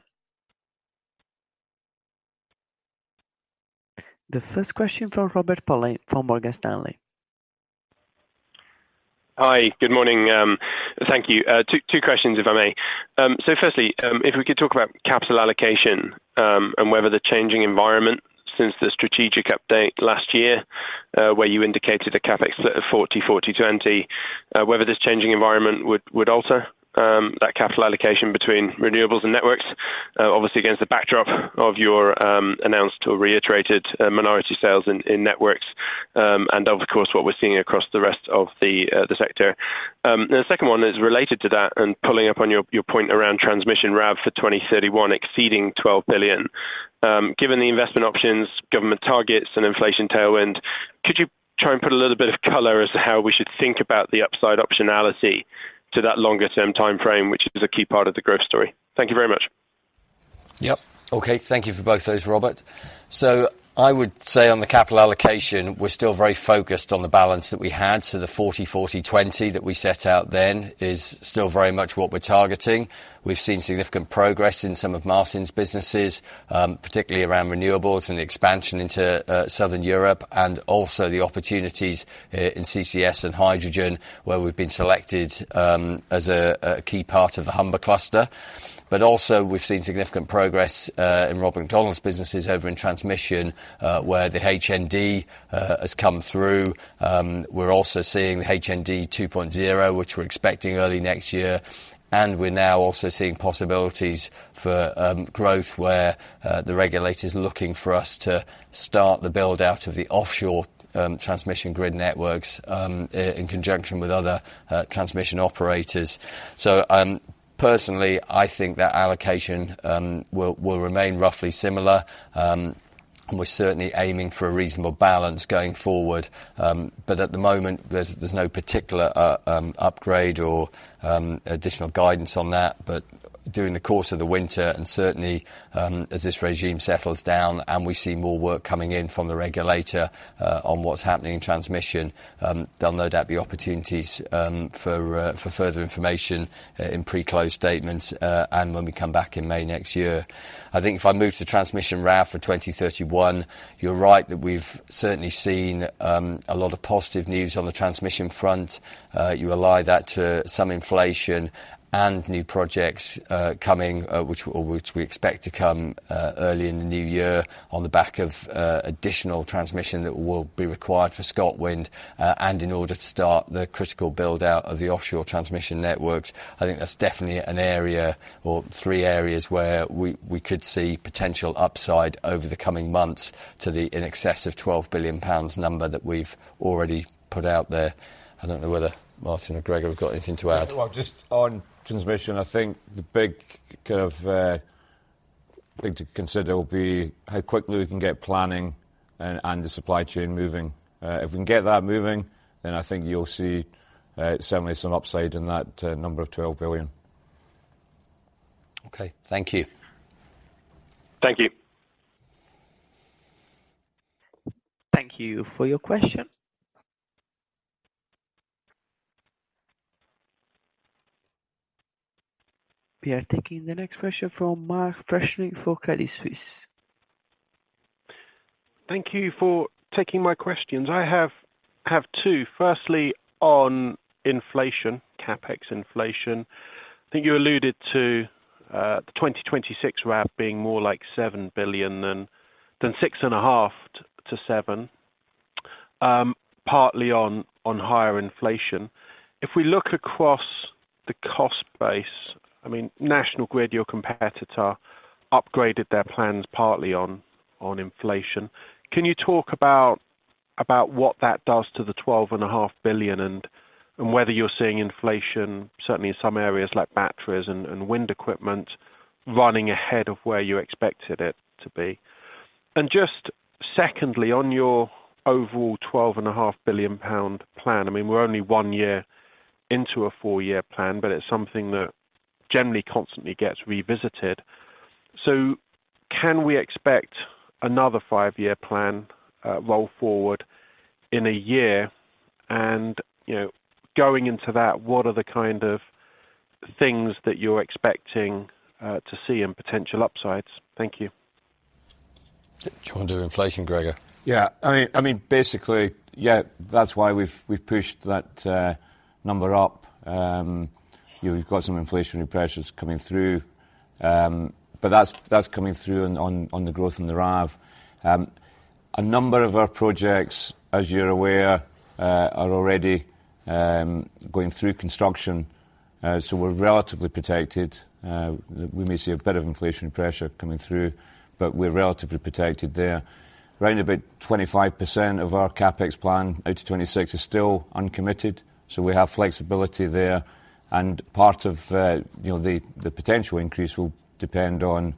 The first question from Rob Pulleyn from Morgan Stanley. Hi, good morning. Thank you. Two questions, if I may. Firstly, if we could talk about capital allocation, and whether the changing environment since the strategic update last year, where you indicated a capex of 40, 20, whether this changing environment would alter that capital allocation between renewables and networks, obviously against the backdrop of your announced or reiterated minority sales in networks, and of course, what we're seeing across the rest of the sector. The second one is related to that and picking up on your point around transmission RAV for 2031 exceeding 12 billion. Given the investment options, government targets, and inflation tailwind, could you try and put a little bit of color as to how we should think about the upside optionality to that longer-term timeframe, which is a key part of the growth story? Thank you very much. Yep. Okay. Thank you for both those, Robert. I would say on the capital allocation, we're still very focused on the balance that we had. The 40, 20 that we set out then is still very much what we're targeting. We've seen significant progress in some of Martin's businesses, particularly around renewables and expansion into southern Europe, and also the opportunities in CCS and hydrogen, where we've been selected as a key part of the Humber cluster. Also we've seen significant progress in Rob McDonald's businesses over in transmission, where the ASTI has come through. We're also seeing ASTI 2.0, which we're expecting early next year. We're now also seeing possibilities for growth where the regulator's looking for us to start the build-out of the offshore transmission grid networks in conjunction with other transmission operators. Personally, I think that allocation will remain roughly similar. We're certainly aiming for a reasonable balance going forward. At the moment, there's no particular upgrade or additional guidance on that. During the course of the winter, and certainly, as this regime settles down and we see more work coming in from the regulator on what's happening in transmission, there'll no doubt be opportunities for further information in pre-close statements, and when we come back in May next year. I think if I move to transmission RAV for 2031, you're right that we've certainly seen a lot of positive news on the transmission front. You ally that to some inflation and new projects coming, which we expect to come early in the new year on the back of additional transmission that will be required for ScotWind, and in order to start the critical build-out of the offshore transmission networks. I think that's definitely an area or three areas where we could see potential upside over the coming months to the in excess of 12 billion pounds number that we've already put out there. I don't know whether Martin or Gregor have got anything to add. Well, just on transmission, I think the big thing to consider will be how quickly we can get planning and the supply chain moving. If we can get that moving, then I think you'll see certainly some upside in that number of 12 billion. Okay. Thank you. Thank you. Thank you for your question. We are taking the next question from Mark Freshney for Credit Suisse. Thank you for taking my questions. I have two. Firstly, on inflation, CapEx inflation. I think you alluded to the 2026 RAV being more like 7 billion than 6.5-7 billion, partly on higher inflation. If we look across the cost base, I mean, National Grid, your competitor, upgraded their plans partly on inflation. Can you talk about what that does to the 12.5 billion and whether you're seeing inflation, certainly in some areas like batteries and wind equipment running ahead of where you expected it to be? Just secondly, on your overall 12.5 billion pound plan, I mean, we're only one year into a four-year plan, but it's something that generally constantly gets revisited. Can we expect another five-year plan roll forward in a year? You know, going into that, what are the kind of things that you're expecting to see and potential upsides? Thank you. Do you wanna do inflation, Gregor? Yeah. I mean, basically, yeah, that's why we've pushed that number up. You've got some inflationary pressures coming through. That's coming through on the growth in the RAV. A number of our projects, as you're aware, are already going through construction. We're relatively protected. We may see a bit of inflationary pressure coming through, but we're relatively protected there. Around about 25% of our CapEx plan out to 2026 is still uncommitted, so we have flexibility there. Part of, you know, the potential increase will depend on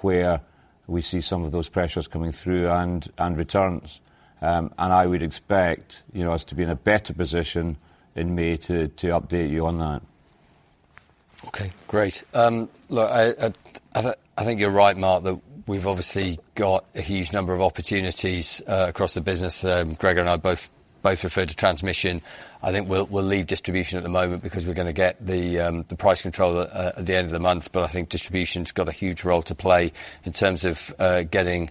where we see some of those pressures coming through and returns. I would expect, you know, us to be in a better position in May to update you on that. Okay, great. Look, I think you're right, Mark, that we've obviously got a huge number of opportunities across the business. Gregor and I both referred to transmission. I think we'll leave distribution at the moment because we're gonna get the price control at the end of the month. I think distribution's got a huge role to play in terms of getting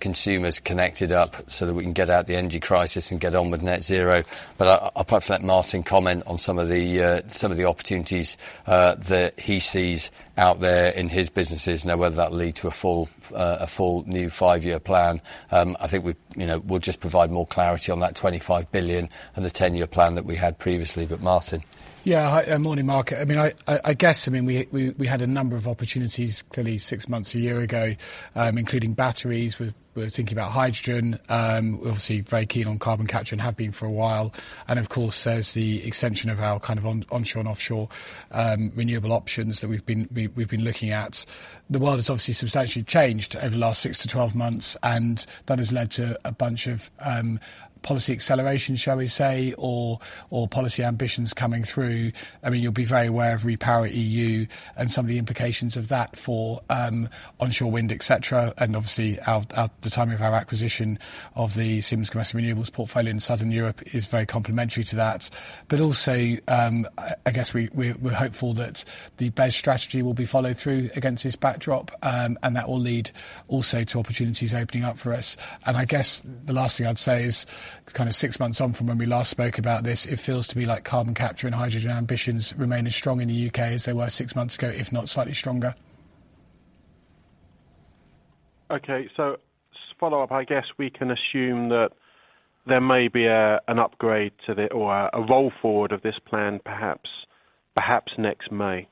consumers connected up so that we can get out the energy crisis and get on with net zero. I'll perhaps let Martin comment on some of the opportunities that he sees out there in his businesses, now whether that lead to a full new 5-year plan. I think we, you know, we'll just provide more clarity on that 25 billion and the 10-year plan that we had previously. Martin. Hi, morning, Mark. I mean, I guess we had a number of opportunities clearly 6 months, 1 year ago, including batteries. We're thinking about hydrogen. Obviously very keen on carbon capture and have been for a while. Of course, there's the extension of our kind of onshore and offshore renewable options that we've been looking at. The world has obviously substantially changed over the last 6-12 months, and that has led to a bunch of policy acceleration, shall we say, or policy ambitions coming through. I mean, you'll be very aware of REPowerEU and some of the implications of that for onshore wind, et cetera. Obviously the timing of our acquisition of the Siemens Gamesa renewables portfolio in Southern Europe is very complementary to that. Also, I guess we're hopeful that the BEIS strategy will be followed through against this backdrop. That will lead also to opportunities opening up for us. I guess the last thing I'd say is kind of six months on from when we last spoke about this, it feels to me like carbon capture and hydrogen ambitions remain as strong in the U.K. as they were six months ago, if not slightly stronger. Okay. Just to follow up. I guess we can assume that there may be an upgrade to or a roll forward of this plan, perhaps next May.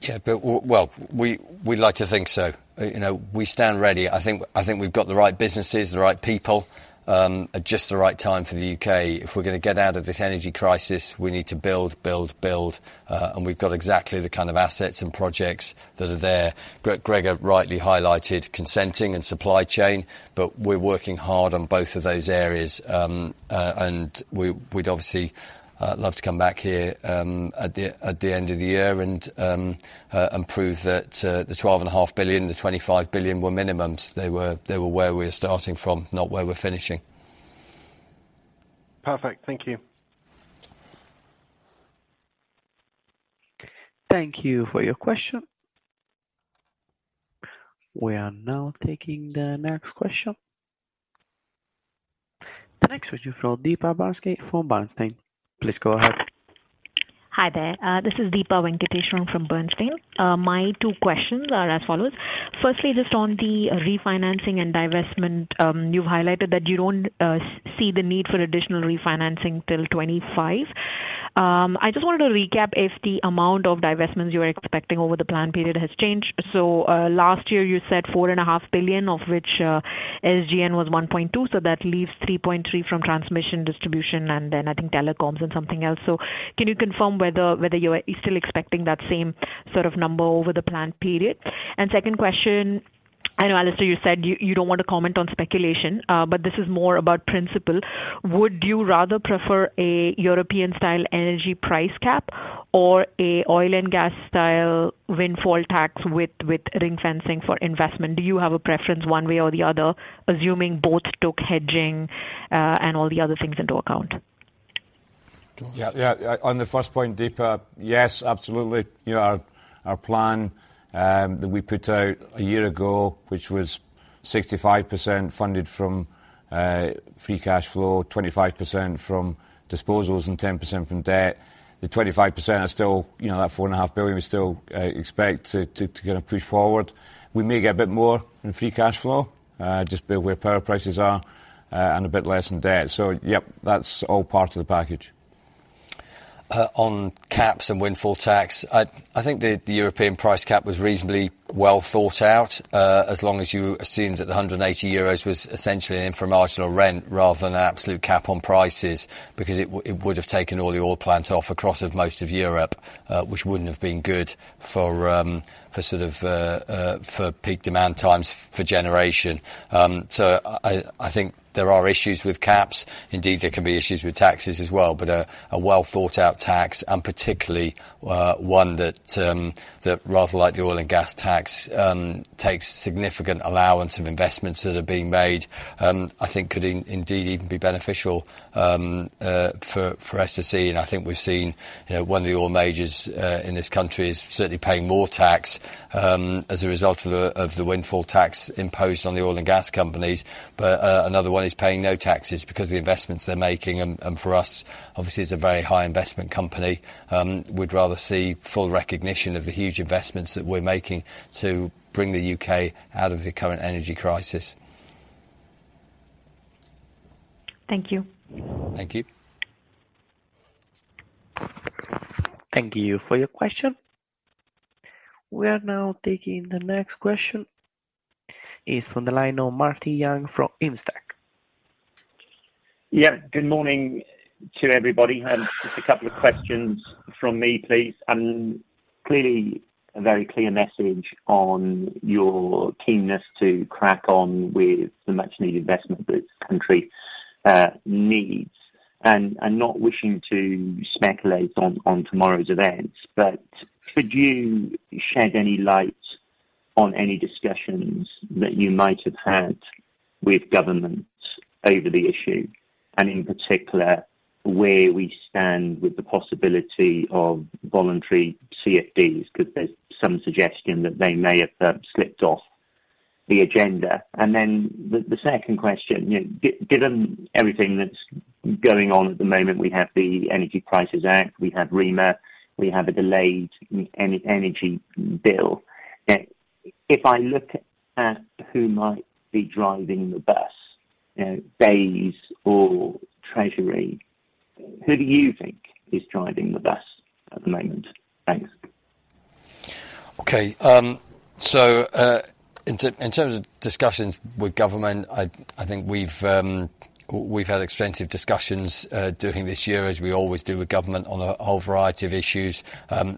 Yeah. Well, we'd like to think so. You know, we stand ready. I think we've got the right businesses, the right people, at just the right time for the UK. If we're gonna get out of this energy crisis, we need to build. We've got exactly the kind of assets and projects that are there. Gregor rightly highlighted consenting and supply chain, but we're working hard on both of those areas. We'd obviously love to come back here at the end of the year and prove that the 12.5 billion, the 25 billion were minimums. They were where we're starting from, not where we're finishing. Perfect. Thank you. Thank you for your question. We are now taking the next question. The next question from Deepa Venkateswaran from Bernstein. Please go ahead. Hi there. This is Deepa Venkateswaran from Bernstein. My two questions are as follows. Firstly, just on the refinancing and divestment. You've highlighted that you don't see the need for additional refinancing till 25. I just wanted to recap if the amount of divestments you are expecting over the plan period has changed. Last year you said 4.5 billion, of which SGN was 1.2 billion. That leaves 3.3 billion from transmission, distribution and then I think telecoms and something else. Can you confirm whether you're still expecting that same sort of number over the plan period? Second question. I know, Alistair, you said you don't want to comment on speculation, but this is more about principle. Would you rather prefer a European-style energy price cap or an oil and gas style windfall tax with ring-fencing for investment? Do you have a preference one way or the other, assuming both took hedging and all the other things into account? Grege? Yeah, yeah. On the first point, Deepa, yes, absolutely. You know, our plan that we put out a year ago, which was 65% funded from free cash flow, 25% from disposals and 10% from debt. The 25% is still, you know, at 4.5 billion. We still expect to get a push forward. We may get a bit more in free cash flow just by where power prices are and a bit less in debt. Yep, that's all part of the package. On caps and windfall tax, I think the European price cap was reasonably well thought out, as long as you assumed that the 180 euros was essentially in for a marginal rate rather than an absolute cap on prices, because it would have taken all the oil plants offline across most of Europe, which wouldn't have been good for sort of peak demand times for generation. I think there are issues with caps. Indeed, there can be issues with taxes as well. A well thought out tax, and particularly one that rather like the oil and gas tax takes significant allowance of investments that are being made, I think could indeed even be beneficial for SSE. I think we've seen, you know, one of the oil majors in this country is certainly paying more tax as a result of the windfall tax imposed on the oil and gas companies. Another one is paying no taxes because the investments they're making and for us, obviously as a very high investment company, we'd rather see full recognition of the huge investments that we're making to bring the U.K. out of the current energy crisis. Thank you. Thank you. Thank you for your question. We are now taking the next question. It's from the line of Martin Young from Investec. Yeah. Good morning to everybody. Just a couple of questions from me, please. Clearly a very clear message on your keenness to crack on with the much needed investment this country needs. Not wishing to speculate on tomorrow's events, but could you shed any light on any discussions that you might have had with government over the issue? In particular, where we stand with the possibility of voluntary CFDs, 'cause there's some suggestion that they may have slipped off the agenda. The second question. You know, given everything that's going on at the moment, we have the Energy Prices Act, we have REMA, we have a delayed energy bill. If I look at who might be driving the bus, you know, BEIS or Treasury, who do you think is driving the bus at the moment? Thanks. In terms of discussions with government, I think we've had extensive discussions during this year, as we always do with government on a whole variety of issues.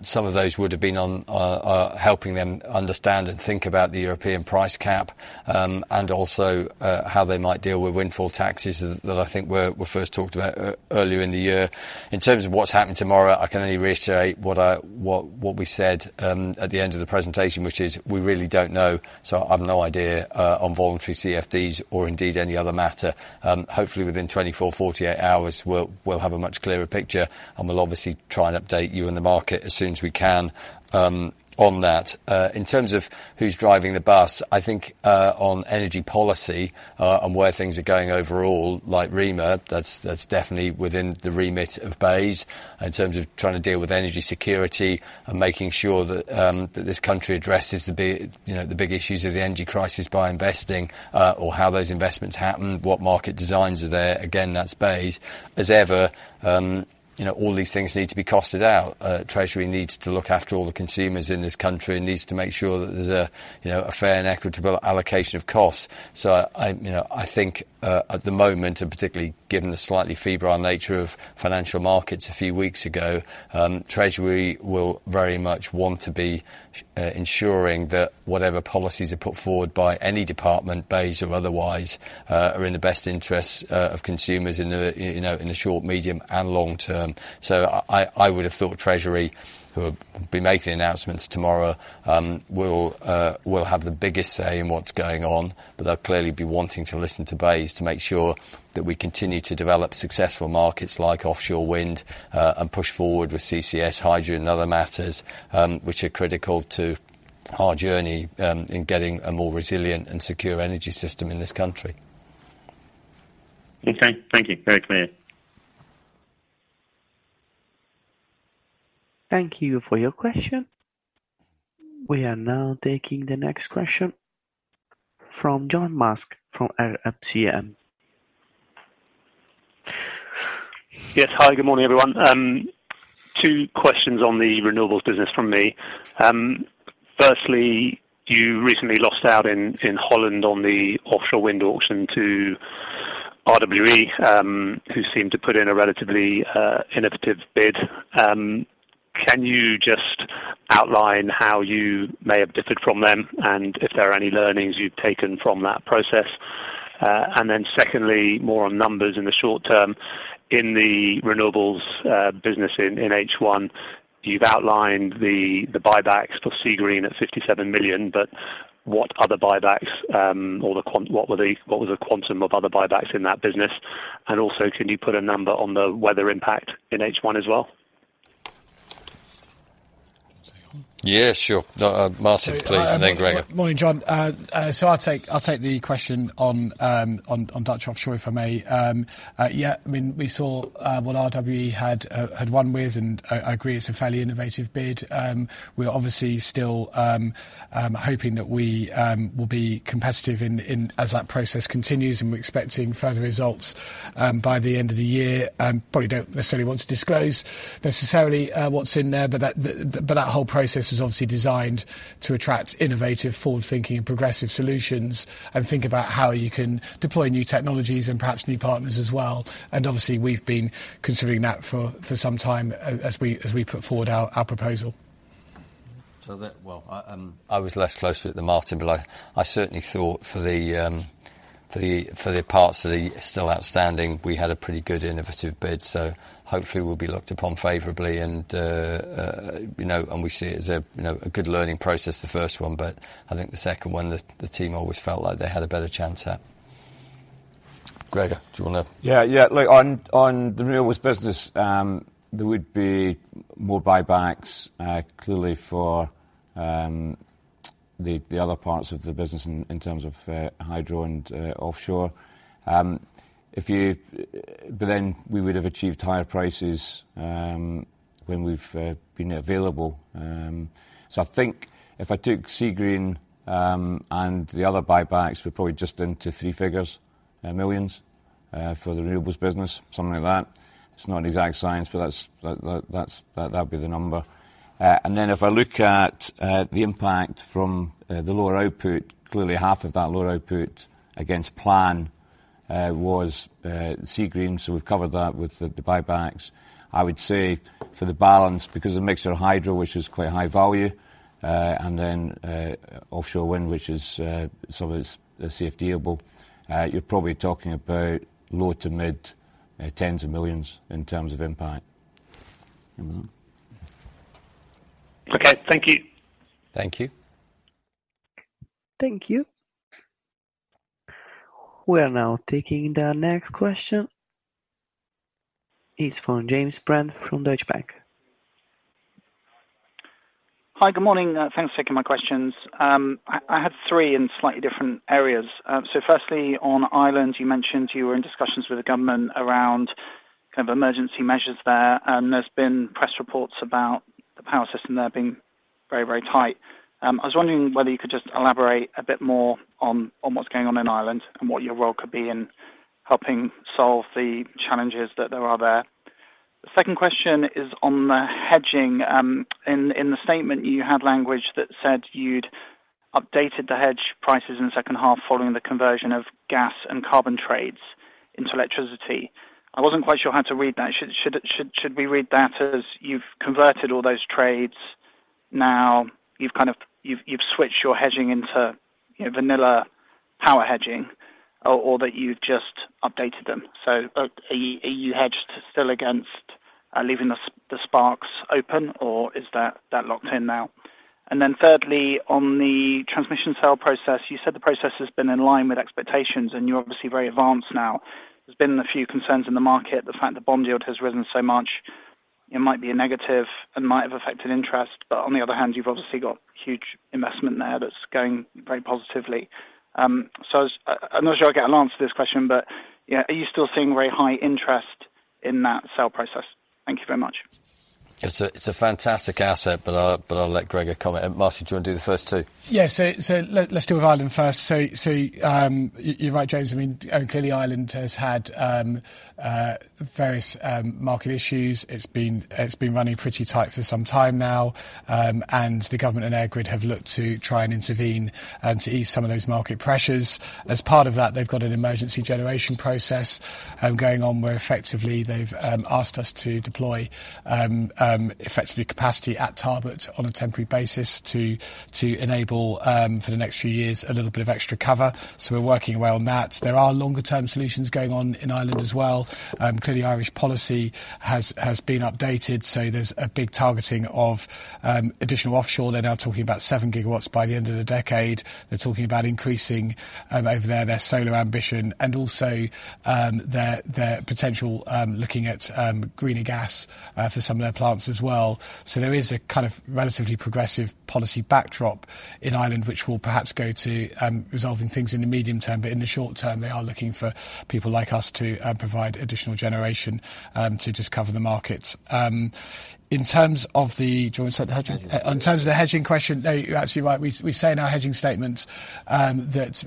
Some of those would have been on helping them understand and think about the energy price cap, and also how they might deal with windfall taxes that I think were first talked about earlier in the year. In terms of what's happening tomorrow, I can only reiterate what we said at the end of the presentation, which is we really don't know. I've no idea on voluntary CFDs or indeed any other matter. Hopefully within 24, 48 hours, we'll have a much clearer picture, and we'll obviously try and update you and the market as soon as we can on that. In terms of who's driving the bus, I think on energy policy, on where things are going overall, like REMA, that's definitely within the remit of BEIS in terms of trying to deal with energy security and making sure that this country addresses the big issues of the energy crisis by investing, or how those investments happen, what market designs are there. Again, that's BEIS. As ever, you know, all these things need to be costed out. Treasury needs to look after all the consumers in this country and needs to make sure that there's a, you know, a fair and equitable allocation of costs. I, you know, I think at the moment, and particularly given the slightly febrile nature of financial markets a few weeks ago, Treasury will very much want to be ensuring that whatever policies are put forward by any department, BEIS or otherwise, are in the best interests of consumers in the, you know, in the short, medium and long term. I would have thought Treasury, who are being making announcements tomorrow, will have the biggest say in what's going on. They'll clearly be wanting to listen to BEIS to make sure that we continue to develop successful markets like offshore wind and push forward with CCS, hydro and other matters, which are critical to our journey in getting a more resilient and secure energy system in this country. Okay. Thank you. Very clear. Thank you for your question. We are now taking the next question from John Musk from RFCM. Yes. Hi. Good morning, everyone. Two questions on the renewables business from me. Firstly, you recently lost out in Holland on the offshore wind auction to RWE, who seemed to put in a relatively innovative bid. Can you just outline how you may have differed from them, and if there are any learnings you've taken from that process? And then secondly, more on numbers in the short term. In the renewables business in H1, you've outlined the buybacks for Seagreen at 57 million, but what other buybacks, or what was the quantum of other buybacks in that business? And also, can you put a number on the weather impact in H1 as well? Yeah, sure. No, Martin, please, and then Gregor. Morning, John. So I'll take the question on Dutch offshore, if I may. Yeah, I mean, we saw what RWE had won with, and I agree, it's a fairly innovative bid. We're obviously still hoping that we will be competitive as that process continues, and we're expecting further results by the end of the year. Probably don't necessarily want to disclose necessarily what's in there, but that whole process was obviously designed to attract innovative, forward-thinking, and progressive solutions and think about how you can deploy new technologies and perhaps new partners as well. Obviously, we've been considering that for some time as we put forward our proposal. Well, I was less closely with Martin, but I certainly thought for the parts that are still outstanding, we had a pretty good innovative bid, so hopefully we'll be looked upon favorably and you know, and we see it as a you know, a good learning process, the first one. But I think the second one, the team always felt like they had a better chance at. Gregor, do you wanna? Yeah. Look, on the renewables business, there would be more buybacks, clearly for the other parts of the business in terms of hydro and offshore. We would have achieved higher prices when we've been available. I think if I took Seagreen and the other buybacks, we're probably just into three figures millions for the renewables business, something like that. It's not an exact science, but that's, that'll be the number. If I look at the impact from the lower output, clearly half of that lower output against plan was Seagreen. We've covered that with the buybacks. I would say for the balance, because a mix of hydro, which is quite high value, and then, offshore wind, which is, some of it is CFDable, you're probably talking about low- to mid-tens of millions GBP in terms of impact. You know? Okay. Thank you. Thank you. Thank you. We are now taking the next question. It's from James Brand from Deutsche Bank. Hi. Good morning. Thanks for taking my questions. I had three in slightly different areas. Firstly, on Ireland, you mentioned you were in discussions with the government around kind of emergency measures there. There's been press reports about the power system there being very, very tight. I was wondering whether you could just elaborate a bit more on what's going on in Ireland and what your role could be in helping solve the challenges that there are there. The second question is on the hedging. In the statement, you had language that said you'd updated the hedge prices in the second half following the conversion of gas and carbon trades into electricity. I wasn't quite sure how to read that. Should we read that as you've converted all those trades, now you've kind of switched your hedging into, you know, vanilla power hedging or that you've just updated them? Are you hedged still against leaving the spreads open, or is that locked in now? Thirdly, on the transmission sale process, you said the process has been in line with expectations and you're obviously very advanced now. There has been a few concerns in the market. The fact the bond yield has risen so much, it might be a negative and might have affected interest. On the other hand, you've obviously got huge investment there that's going very positively. I'm not sure I'll get an answer to this question, but, you know, are you still seeing very high interest in that sale process? Thank you very much. It's a fantastic asset, but I'll let Gregor comment. Martin, do you wanna do the first two? Let's deal with Ireland first. You're right, James. I mean, clearly, Ireland has had various market issues. It's been running pretty tight for some time now. The government and EirGrid have looked to try and intervene and to ease some of those market pressures. As part of that, they've got an emergency generation process going on, where effectively they've asked us to deploy effectively capacity at Tarbert on a temporary basis to enable for the next few years a little bit of extra cover. We're working well on that. There are longer term solutions going on in Ireland as well. Clearly Irish policy has been updated, so there's a big targeting of additional offshore. They're now talking about 7 gigawatts by the end of the decade. They're talking about increasing their solar ambition and also their potential looking at greener gas for some of their plants as well. There is a kind of relatively progressive policy backdrop in Ireland, which will perhaps go to resolving things in the medium term. In the short term, they are looking for people like us to provide additional generation to just cover the markets. In terms of the hedging? Do you wanna take the hedging? Hedging. In terms of the hedging question, no, you're absolutely right. We say in our hedging statement that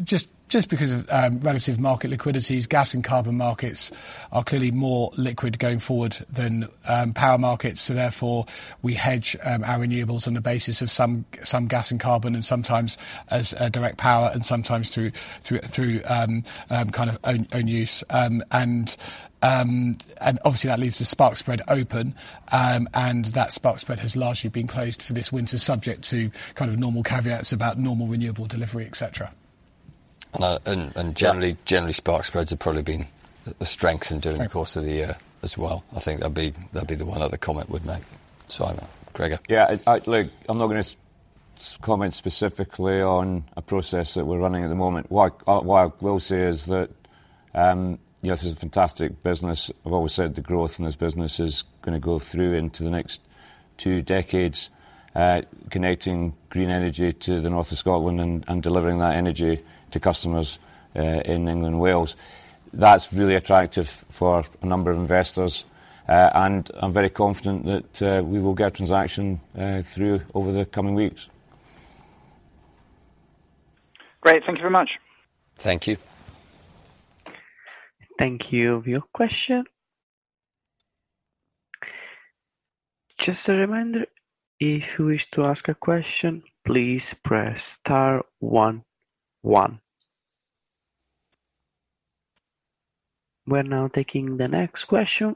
just because of relative market liquidities, gas and carbon markets are clearly more liquid going forward than power markets. Therefore, we hedge our renewables on the basis of some gas and carbon and sometimes as direct power and sometimes through kind of own use. Obviously, that leaves the spark spread open. That spark spread has largely been closed for this winter, subject to kind of normal caveats about normal renewable delivery, et cetera. Generally spark spreads have probably been the strength during the course of the year as well. I think that'd be the one other comment we'd make. Simon. Gregor. Yeah. Look, I'm not gonna comment specifically on a process that we're running at the moment. What I will say is that, yes, it's a fantastic business. I've always said the growth in this business is gonna go through into the next two decades, connecting green energy to the north of Scotland and delivering that energy to customers in England and Wales. That's really attractive for a number of investors. I'm very confident that we will get a transaction through over the coming weeks. Great. Thank you very much. Thank you. Thank you for your question. Just a reminder, if you wish to ask a question, please press star one one. We're now taking the next question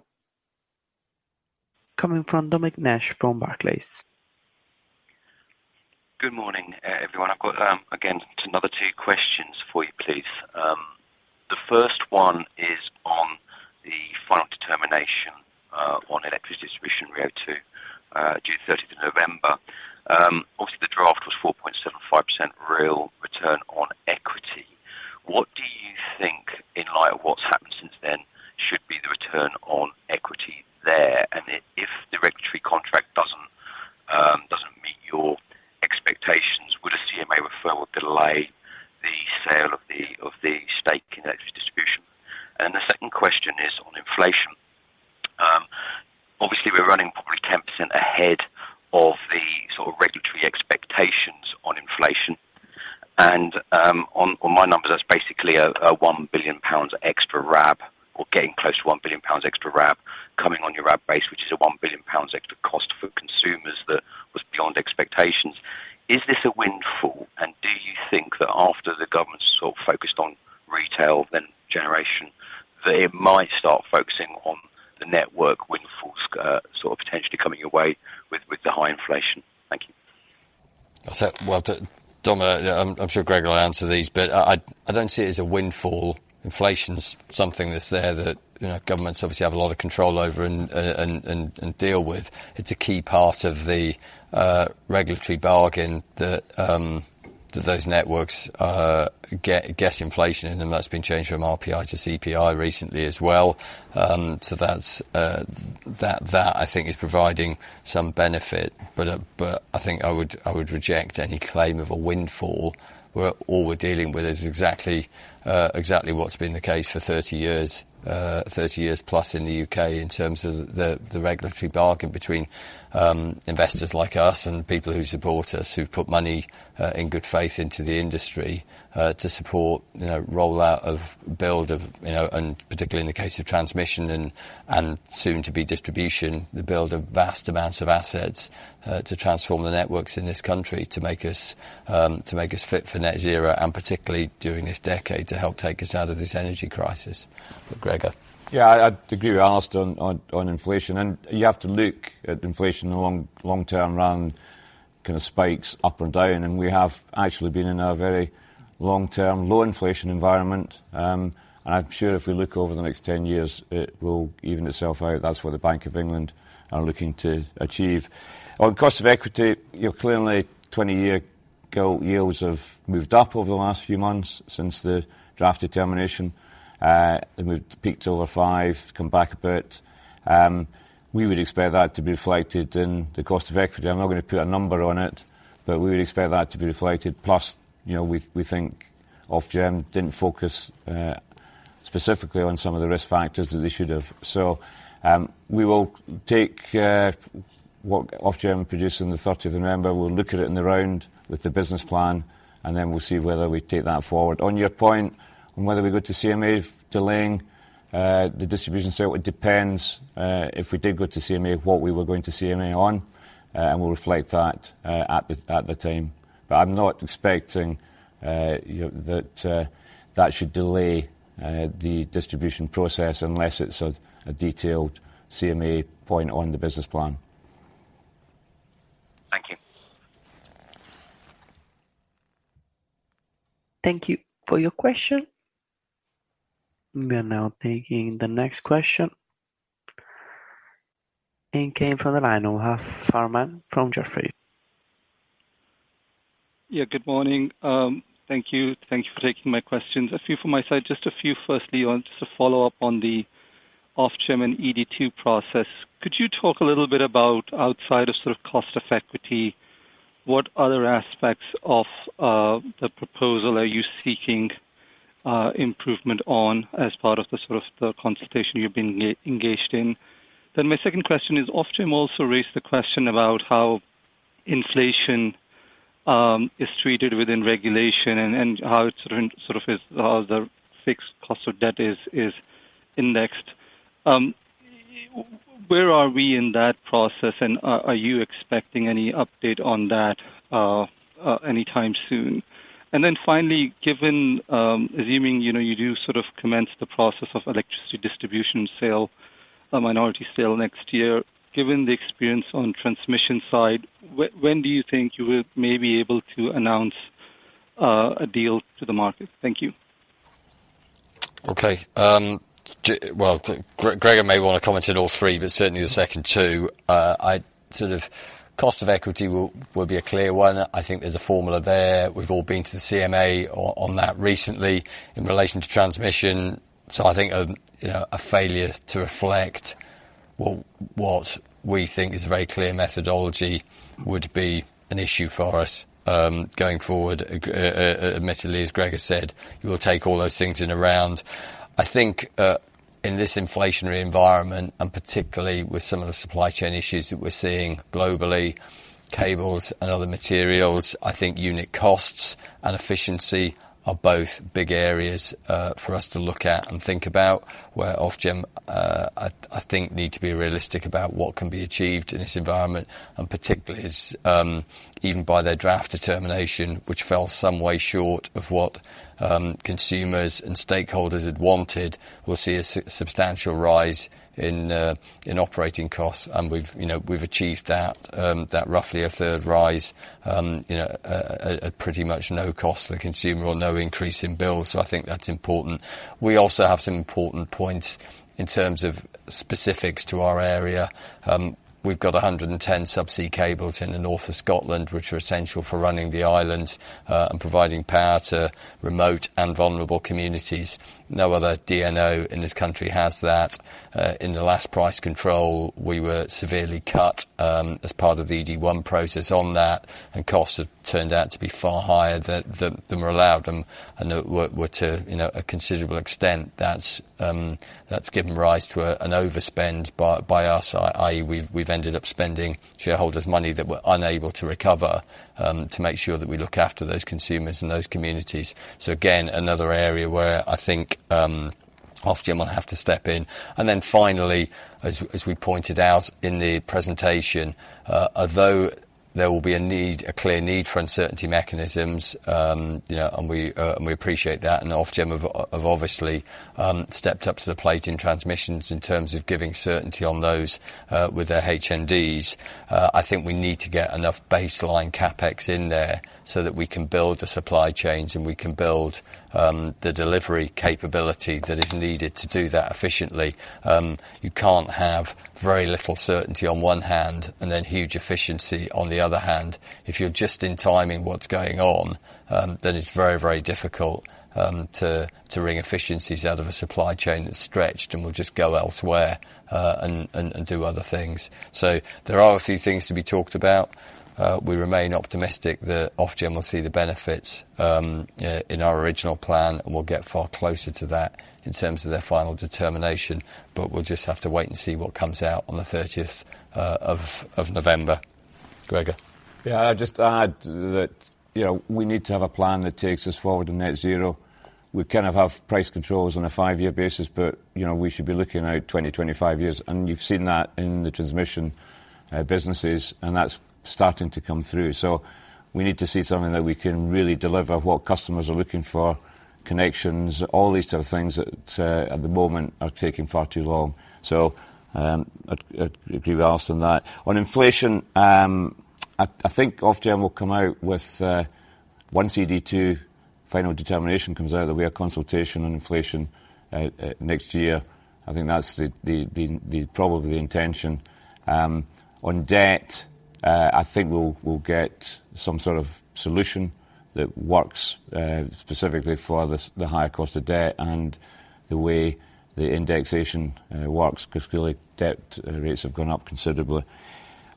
coming from Dominic Nash from Barclays. Good morning, everyone. I've got again another two questions for you, please. The first one is on the final determination But I think I would reject any claim of a windfall. All we're dealing with is exactly what's been the case for 30 years plus in the U.K. in terms of the regulatory bargain between investors like us and people who support us, who've put money in good faith into the industry to support, you know, rollout of build of, you know, and particularly in the case of transmission and soon to be distribution, the build of vast amounts of assets to transform the networks in this country to make us fit for net zero, and particularly during this decade, to help take us out of this energy crisis. Gregor. Yeah, I'd agree with Alistair on inflation, and you have to look at inflation along long-term run kind of spikes up and down. We have actually been in a very long-term low inflation environment. I'm sure if we look over the next 10 years, it will even itself out. That's what the Bank of England are looking to achieve. On cost of equity, you know, clearly 20-year gilt yields have moved up over the last few months since the draft determination. They peaked over 5%, come back a bit. We would expect that to be reflected in the cost of equity. I'm not gonna put a number on it, but we would expect that to be reflected. Plus, you know, we think Ofgem didn't focus specifically on some of the risk factors that they should have. We will take what Ofgem produced on the thirtieth of November. We'll look at it in the round with the business plan, and then we'll see whether we take that forward. On your point on whether we go to CMA delaying the distribution sale, it depends if we did go to CMA, what we were going to CMA on, and we'll reflect that at the time. But I'm not expecting, you know, that that should delay the distribution process unless it's a detailed CMA point on the business plan. Thank you. Thank you for your question. We are now taking the next question. It came from the line. We'll have Farman from Jefferies. Yeah, good morning. Thank you. Thank you for taking my questions. A few from my side. Just a few firstly on just to follow up on the Ofgem and ED2 process. Could you talk a little bit about outside of sort of cost of equity, what other aspects of the proposal are you seeking improvement on as part of the sort of consultation you've been engaged in? My second question is, Ofgem also raised the question about how inflation is treated within regulation and how it sort of is the fixed cost of debt is indexed. Where are we in that process, and are you expecting any update on that anytime soon? Finally, given assuming, you know, you do sort of commence the process of electricity distribution sale, a minority sale next year. Given the experience on transmission side, when do you think you will maybe be able to announce a deal to the market? Thank you. Okay. Well, Gregor may wanna comment on all three, but certainly the second two. The cost of equity will be a clear one. I think there's a formula there. We've all been to the CMA on that recently in relation to transmission. I think, you know, a failure to reflect what we think is a very clear methodology would be an issue for us going forward. Admittedly, as Gregor said, we'll take all those things in the round. I think, in this inflationary environment and particularly with some of the supply chain issues that we're seeing globally, cables and other materials, I think unit costs and efficiency are both big areas for us to look at and think about. With Ofgem, I think need to be realistic about what can be achieved in this environment, and particularly even by their draft determination, which fell some way short of what consumers and stakeholders had wanted. We're seeing a substantial rise in operating costs, and we've, you know, achieved that roughly a third rise, you know, at pretty much no cost to the consumer or no increase in bills. I think that's important. We also have some important points in terms of specifics to our area. We've got 110 subsea cables in the north of Scotland, which are essential for running the islands and providing power to remote and vulnerable communities. No other DNO in this country has that. In the last price control, we were severely cut, as part of the ED1 process on that, costs have turned out to be far higher than we're allowed them. We were to, you know, a considerable extent. That's given rise to an overspend by us. I.e., we've ended up spending shareholders' money that we're unable to recover, to make sure that we look after those consumers and those communities. Again, another area where I think Ofgem will have to step in. Finally, as we pointed out in the presentation, although there will be a clear need for uncertainty mechanisms, you know, and we appreciate that, and Ofgem have obviously stepped up to the plate in transmissions in terms of giving certainty on those, with their HNDs. I think we need to get enough baseline CapEx in there so that we can build the supply chains, and we can build the delivery capability that is needed to do that efficiently. You can't have very little certainty on one hand and then huge efficiency on the other hand. If you're just in timing what's going on, then it's very difficult to wring efficiencies out of a supply chain that's stretched and will just go elsewhere, and do other things. There are a few things to be talked about. We remain optimistic that Ofgem will see the benefits in our original plan, and we'll get far closer to that in terms of their final determination. We'll just have to wait and see what comes out on the thirtieth of November. Gregor. Yeah. I'd just add that, you know, we need to have a plan that takes us forward to net zero. We kind of have price controls on a five-year basis, but, you know, we should be looking out 20-25 years. You've seen that in the transmission businesses, and that's starting to come through. We need to see something that we can really deliver what customers are looking for, connections, all these type of things that at the moment are taking far too long. I agree with Alistair on that. On inflation, I think Ofgem will come out with once ED2 final determination comes out, there'll be a consultation on inflation next year. I think that's the probable intention. On debt, I think we'll get some sort of solution that works specifically for the higher cost of debt and the way the indexation works 'cause clearly debt rates have gone up considerably.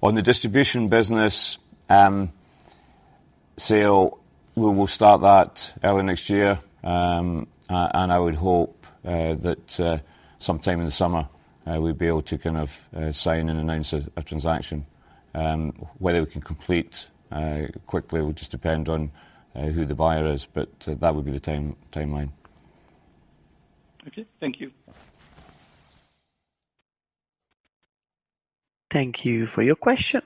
On the distribution business sale, we will start that early next year. I would hope that sometime in the summer we'll be able to kind of sign and announce a transaction. Whether we can complete quickly will just depend on who the buyer is, but that would be the timeline. Okay. Thank you. Thank you for your question.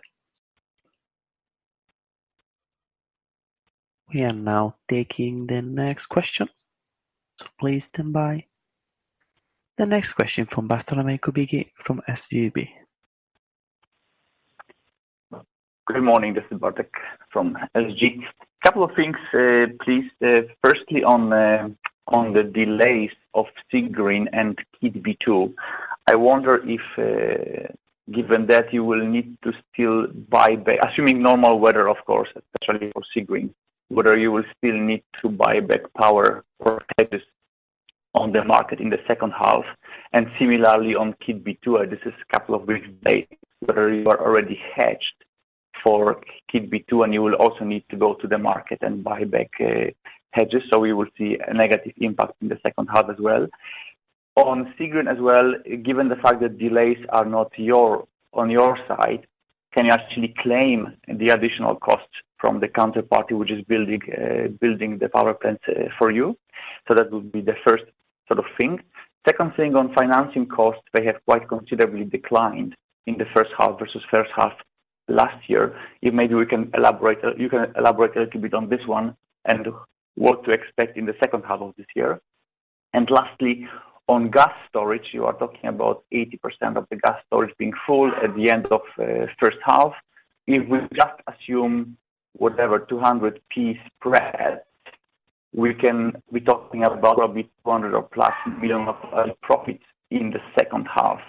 We are now taking the next question. Please stand by. The next question from Bartolomeo Cubigli from SGEB. Good morning. This is Bartek from SG. Couple of things, please. Firstly, on the delays of Seagreen and Keadby 2, I wonder if, given that you will need to still buy back, assuming normal weather, of course, especially for Seagreen, whether you will still need to buy back power for hedges on the market in the second half. Similarly on Keadby 2, this is a couple of weeks' delay, whether you are already hedged for Keadby 2 and you will also need to go to the market and buy back hedges, so we will see a negative impact in the second half as well. On Seagreen as well, given the fact that delays are not on your side, can you actually claim the additional cost from the counterparty which is building the power plant for you? That would be the first sort of thing. Second thing on financing costs, they have quite considerably declined in the first half versus first half last year. You can elaborate a little bit on this one and what to expect in the second half of this year. Lastly, on gas storage, you are talking about 80% of the gas storage being full at the end of first half. If we just assume whatever 200p spread, we can be talking about probably 200 or plus million of profits in the second half.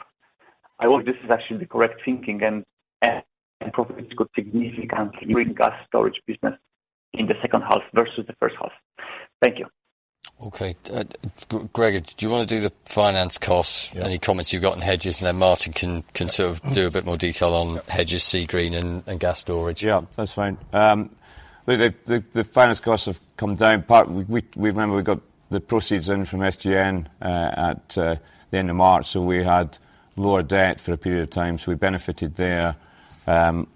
I hope this is actually the correct thinking, and profits could significantly gas storage business in the second half versus the first half. Thank you. Okay. Gregor, do you wanna do the finance costs? Yeah. Any comments you've got on hedges, and then Martin can sort of do a bit more detail on hedges, Seagreen and gas storage. Yeah, that's fine. The finance costs have come down, partly we remember we got the proceeds in from SGN at the end of March, so we had lower debt for a period of time, so we benefited there.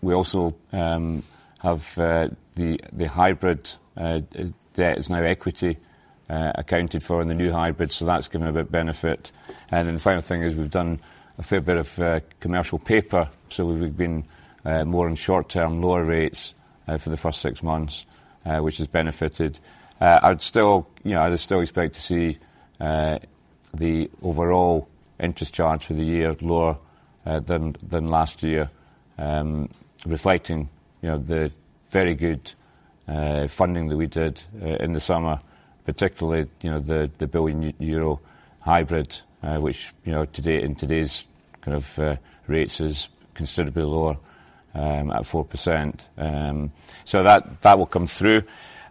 We also have the hybrid debt is now equity accounted for in the new hybrid, so that's gonna be a benefit. Then the final thing is we've done a fair bit of commercial paper, so we've been more on short-term lower rates for the first six months, which has benefited. I'd still, you know, I still expect to see the overall interest charge for the year lower than last year, reflecting, you know, the very good funding that we did in the summer, particularly, you know, the 1 billion euro hybrid, which, you know, today in today's kind of rates is considerably lower at 4%. So that will come through.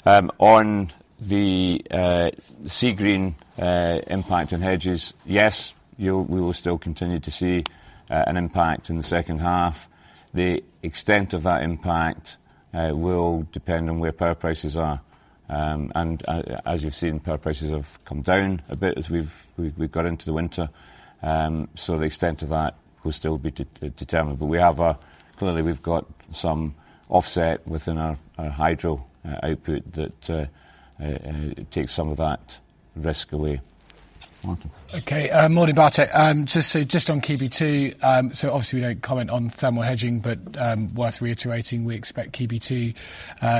On the Seagreen impact on hedges, yes, we will still continue to see an impact in the second half. The extent of that impact will depend on where power prices are. As you've seen, power prices have come down a bit as we've got into the winter. The extent of that will still be determined. We have a... Clearly we've got some offset within our hydro output that takes some of that risk away. Martin. Okay. Morning, Bartek. Just on Keadby. Obviously we don't comment on thermal hedging, but worth reiterating, we expect Keadby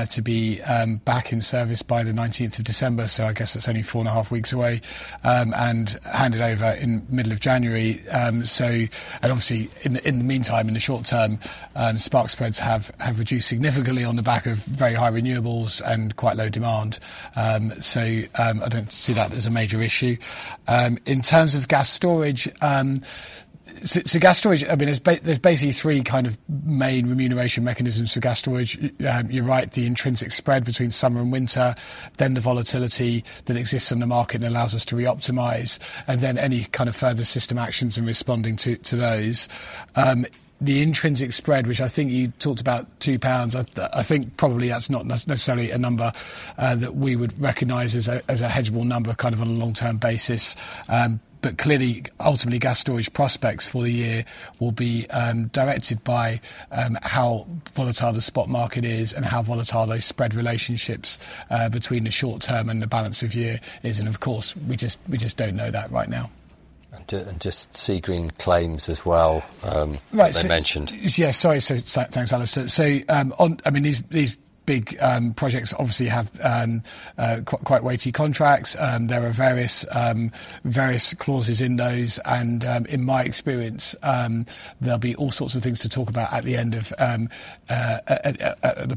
to be back in service by the nineteenth of December, so I guess that's only four and a half weeks away, and handed over in middle of January. Obviously in the meantime, in the short term, spark spreads have reduced significantly on the back of very high renewables and quite low demand. I don't see that as a major issue. In terms of gas storage, I mean, there's basically three kind of main remuneration mechanisms for gas storage. You're right, the intrinsic spread between summer and winter, then the volatility that exists in the market and allows us to re-optimize, and then any kind of further system actions in responding to those. The intrinsic spread, which I think you talked about 2 pounds, I think probably that's not necessarily a number that we would recognize as a hedgeable number kind of on a long-term basis. But clearly, ultimately, gas storage prospects for the year will be directed by how volatile the spot market is and how volatile those spread relationships between the short term and the balance of year is. Of course, we just don't know that right now. Just Seagreen claims as well, that you mentioned. Right. Sorry, thanks, Alistair. These big projects obviously have quite weighty contracts. There are various clauses in those. In my experience, there'll be all sorts of things to talk about at the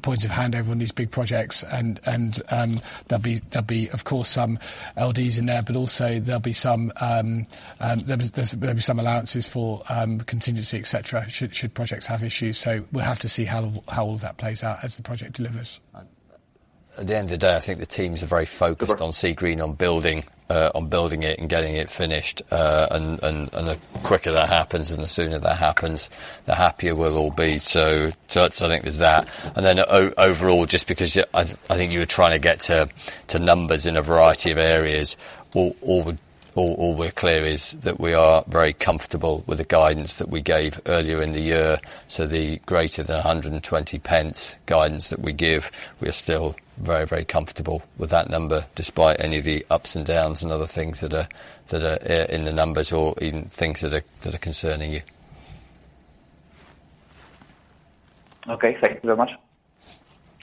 point of handover on these big projects. There'll be, of course, some LDs in there, but also there'll be some allowances for contingency, et cetera, should projects have issues. We'll have to see how all of that plays out as the project delivers. At the end of the day, I think the teams are very focused on Seagreen, on building it and getting it finished. The quicker that happens and the sooner that happens, the happier we'll all be. It's, I think, there's that. Overall, just because I think you were trying to get to numbers in a variety of areas. All we're clear is that we are very comfortable with the guidance that we gave earlier in the year. The greater than 120 pence guidance that we give, we are still very, very comfortable with that number, despite any of the ups and downs and other things that are in the numbers or even things that are concerning you. Okay. Thank you very much.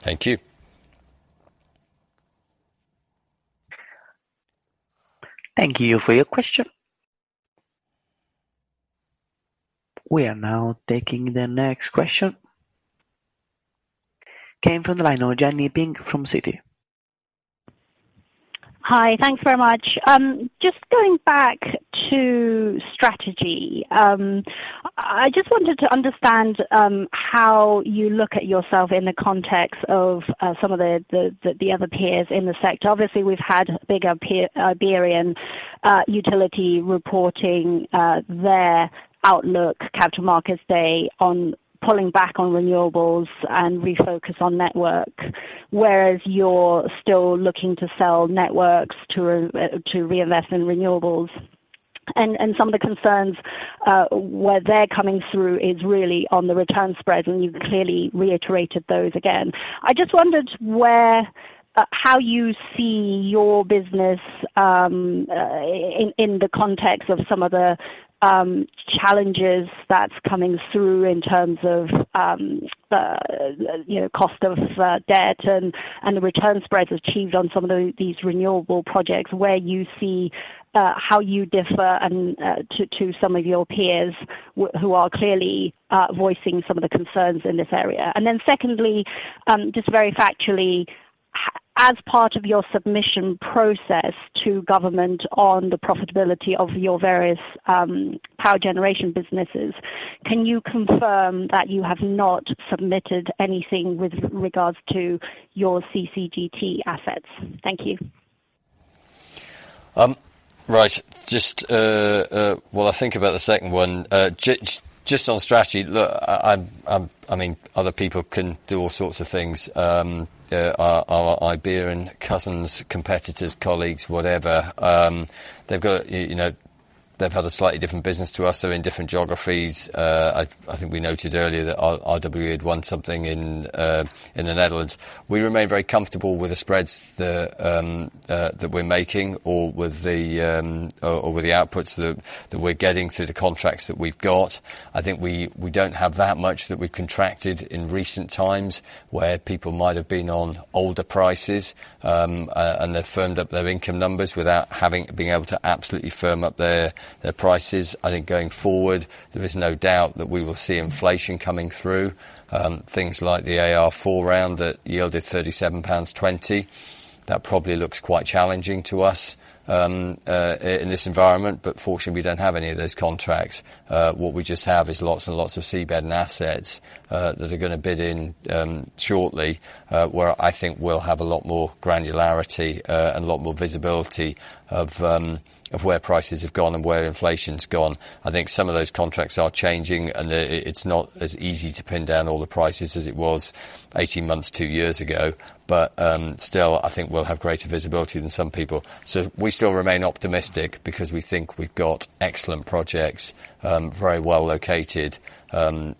Thank you. Thank you for your question. We are now taking the next question. Comes from the line of Jenny Ping from Citi. Hi. Thanks very much. Just going back to strategy. I just wanted to understand how you look at yourself in the context of some of the other peers in the sector. Obviously, we've had bigger peer Iberian utility reporting their outlook, capital markets day on pulling back on renewables and refocus on network. Whereas you're still looking to sell networks to reinvest in renewables. Some of the concerns where they're coming through is really on the return spread, and you've clearly reiterated those again. I just wondered where, how you see your business in the context of some of the challenges that's coming through in terms of, you know, cost of debt and the return spreads achieved on some of these renewable projects, where you see how you differ and to some of your peers who are clearly voicing some of the concerns in this area. Secondly, just very factually, as part of your submission process to government on the profitability of your various power generation businesses, can you confirm that you have not submitted anything with regards to your CCGT assets? Thank you. Right. Just while I think about the second one. Just on strategy. Look, I mean, other people can do all sorts of things. Our Iberian cousins, competitors, colleagues, whatever, they've got a, you know, they've had a slightly different business to us, they're in different geographies. I think we noted earlier that our RWE had won something in the Netherlands. We remain very comfortable with the spreads that we're making or with the outputs that we're getting through the contracts that we've got. I think we don't have that much that we've contracted in recent times where people might have been on older prices, and they've firmed up their income numbers without having been able to absolutely firm up their prices. I think going forward, there is no doubt that we will see inflation coming through. Things like the AR4 round that yielded 37.20 pounds, that probably looks quite challenging to us in this environment, but fortunately, we don't have any of those contracts. What we just have is lots and lots of seabed and assets that are gonna bid in shortly, where I think we'll have a lot more granularity and a lot more visibility of where prices have gone and where inflation's gone. I think some of those contracts are changing, and it's not as easy to pin down all the prices as it was 18 months, two years ago. Still, I think we'll have greater visibility than some people. We still remain optimistic because we think we've got excellent projects, very well located, and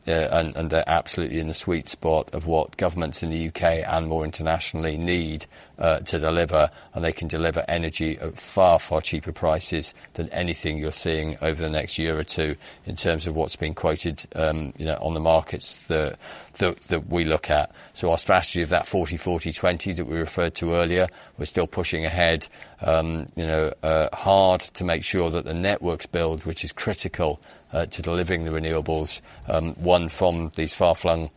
they're absolutely in the sweet spot of what governments in the U.K. and more internationally need to deliver. They can deliver energy at far cheaper prices than anything you're seeing over the next year or two in terms of what's been quoted, you know, on the markets that we look at. Our strategy of that 40/40/20 that we referred to earlier, we're still pushing ahead, you know, hard to make sure that the networks build, which is critical to delivering the renewables from these far-flung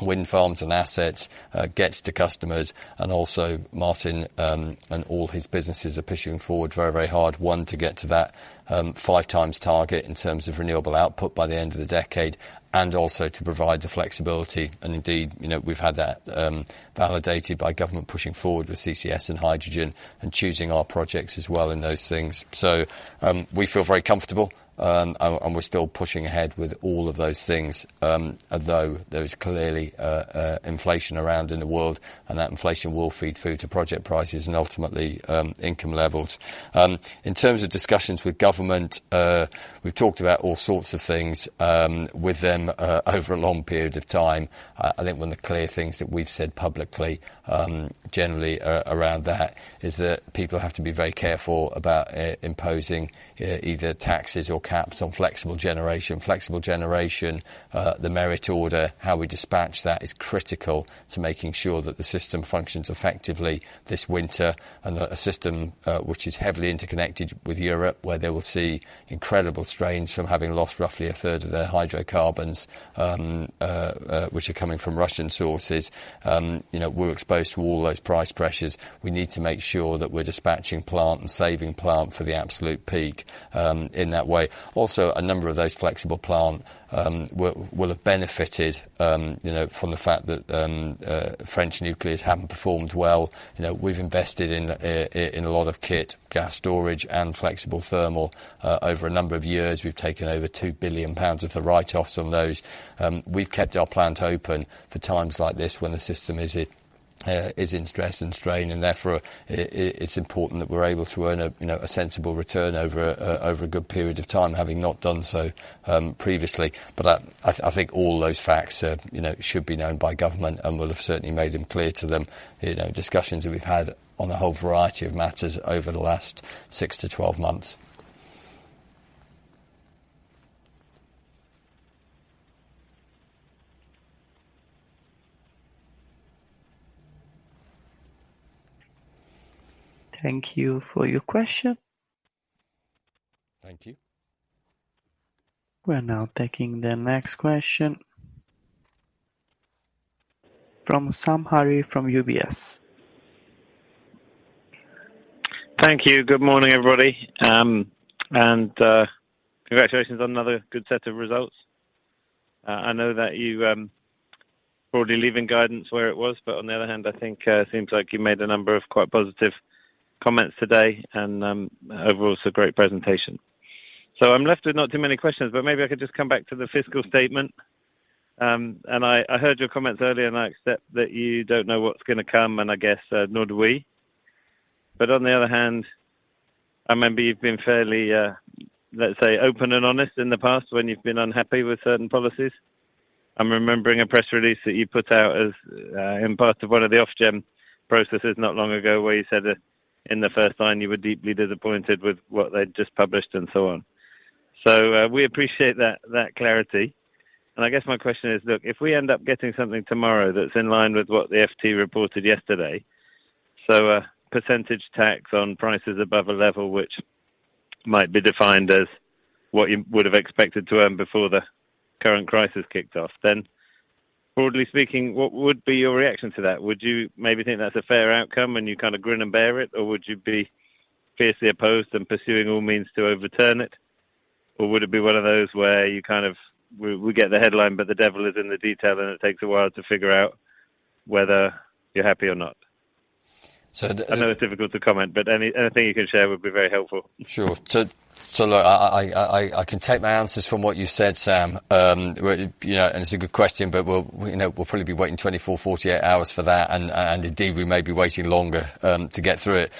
wind farms and assets gets to customers. Also Martin, and all his businesses are pushing forward very, very hard, 1, to get to that 5 times target in terms of renewable output by the end of the decade, and also to provide the flexibility. Indeed, you know, we've had that validated by government pushing forward with CCS and hydrogen and choosing our projects as well in those things. We feel very comfortable, and we're still pushing ahead with all of those things, although there is clearly inflation around in the world, and that inflation will feed through to project prices and ultimately income levels. In terms of discussions with government, we've talked about all sorts of things with them over a long period of time. I think one of the clear things that we've said publicly, generally around that is that people have to be very careful about imposing either taxes or caps on flexible generation. Flexible generation, the merit order, how we dispatch that is critical to making sure that the system functions effectively this winter. That a system, which is heavily interconnected with Europe, where they will see incredible strains from having lost roughly a third of their hydrocarbons, which are coming from Russian sources. You know, we're exposed to all those price pressures. We need to make sure that we're dispatching plant and saving plant for the absolute peak, in that way. Also, a number of those flexible plant will have benefited, you know, from the fact that French nuclear haven't performed well. You know, we've invested in a lot of kit, gas storage and flexible thermal. Over a number of years, we've taken over 2 billion pounds worth of write-offs on those. We've kept our plant open for times like this when the system is in stress and strain, and therefore, it's important that we're able to earn a, you know, a sensible return over a good period of time, having not done so previously. I think all those facts, you know, should be known by government and will have certainly made them clear to them. You know, discussions that we've had on a whole variety of matters over the last 6-12 months. Thank you for your question. Thank you. We're now taking the next question from Sam Arie from UBS. Thank you. Good morning, everybody. Congratulations on another good set of results. I know that you broadly leaving guidance where it was, but on the other hand, I think seems like you made a number of quite positive comments today and overall it's a great presentation. I'm left with not too many questions, but maybe I could just come back to the fiscal statement. I heard your comments earlier, and I accept that you don't know what's gonna come and I guess nor do we. On the other hand, I remember you've been fairly, let's say open and honest in the past when you've been unhappy with certain policies. I'm remembering a press release that you put out as, in part of one of the Ofgem processes not long ago, where you said that in the first line, you were deeply disappointed with what they'd just published and so on. We appreciate that clarity. I guess my question is, look, if we end up getting something tomorrow that's in line with what the FT reported yesterday, so a percentage tax on prices above a level which might be defined as what you would have expected to earn before the current crisis kicked off, then broadly speaking, what would be your reaction to that? Would you maybe think that's a fair outcome, and you kinda grin and bear it? Would you be fiercely opposed and pursuing all means to overturn it? Would it be one of those where you kind of, we get the headline, but the devil is in the detail, and it takes a while to figure out whether you're happy or not. So the- I know it's difficult to comment, but anything you can share would be very helpful. Sure. Look, I can take my answers from what you said, Sam. Where you know and it's a good question, but we'll you know we'll probably be waiting 24-48 hours for that. Indeed, we may be waiting longer to get through it.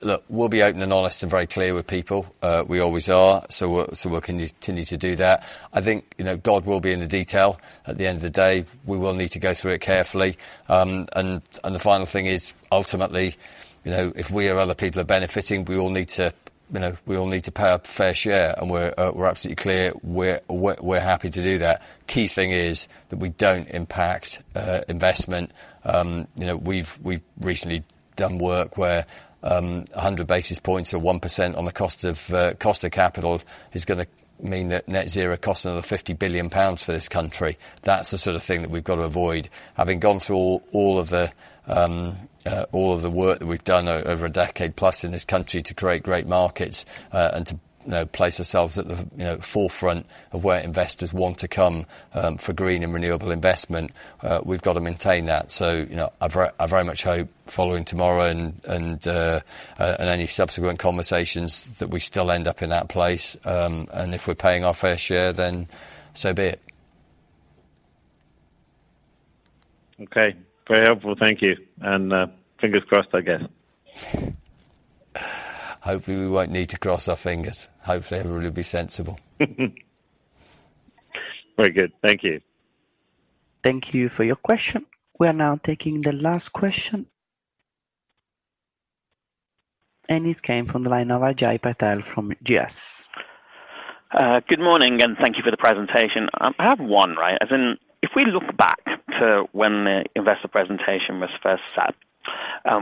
Look, we'll be open and honest and very clear with people. We always are. We'll continue to do that. I think you know God will be in the detail. At the end of the day, we will need to go through it carefully. The final thing is, ultimately you know if we or other people are benefiting, we all need to pay our fair share, and we're absolutely clear we're happy to do that. Key thing is that we don't impact investment. We've recently done work where 100 basis points or 1% on the cost of capital is gonna mean that net zero costs another 50 billion pounds for this country. That's the sort of thing that we've got to avoid. Having gone through all of the work that we've done over a decade plus in this country to create great markets and to place ourselves at the forefront of where investors want to come for green and renewable investment. We've got to maintain that. You know, I very much hope following tomorrow and any subsequent conversations that we still end up in that place, and if we're paying our fair share, then so be it. Okay. Very helpful. Thank you. Fingers crossed, I guess. Hopefully, we won't need to cross our fingers. Hopefully, everybody will be sensible. Very good. Thank you. Thank you for your question. We are now taking the last question. It came from the line of Ajay Patel from GS. Good morning, and thank you for the presentation. I have one, right? As in, if we look back to when the investor presentation was first set,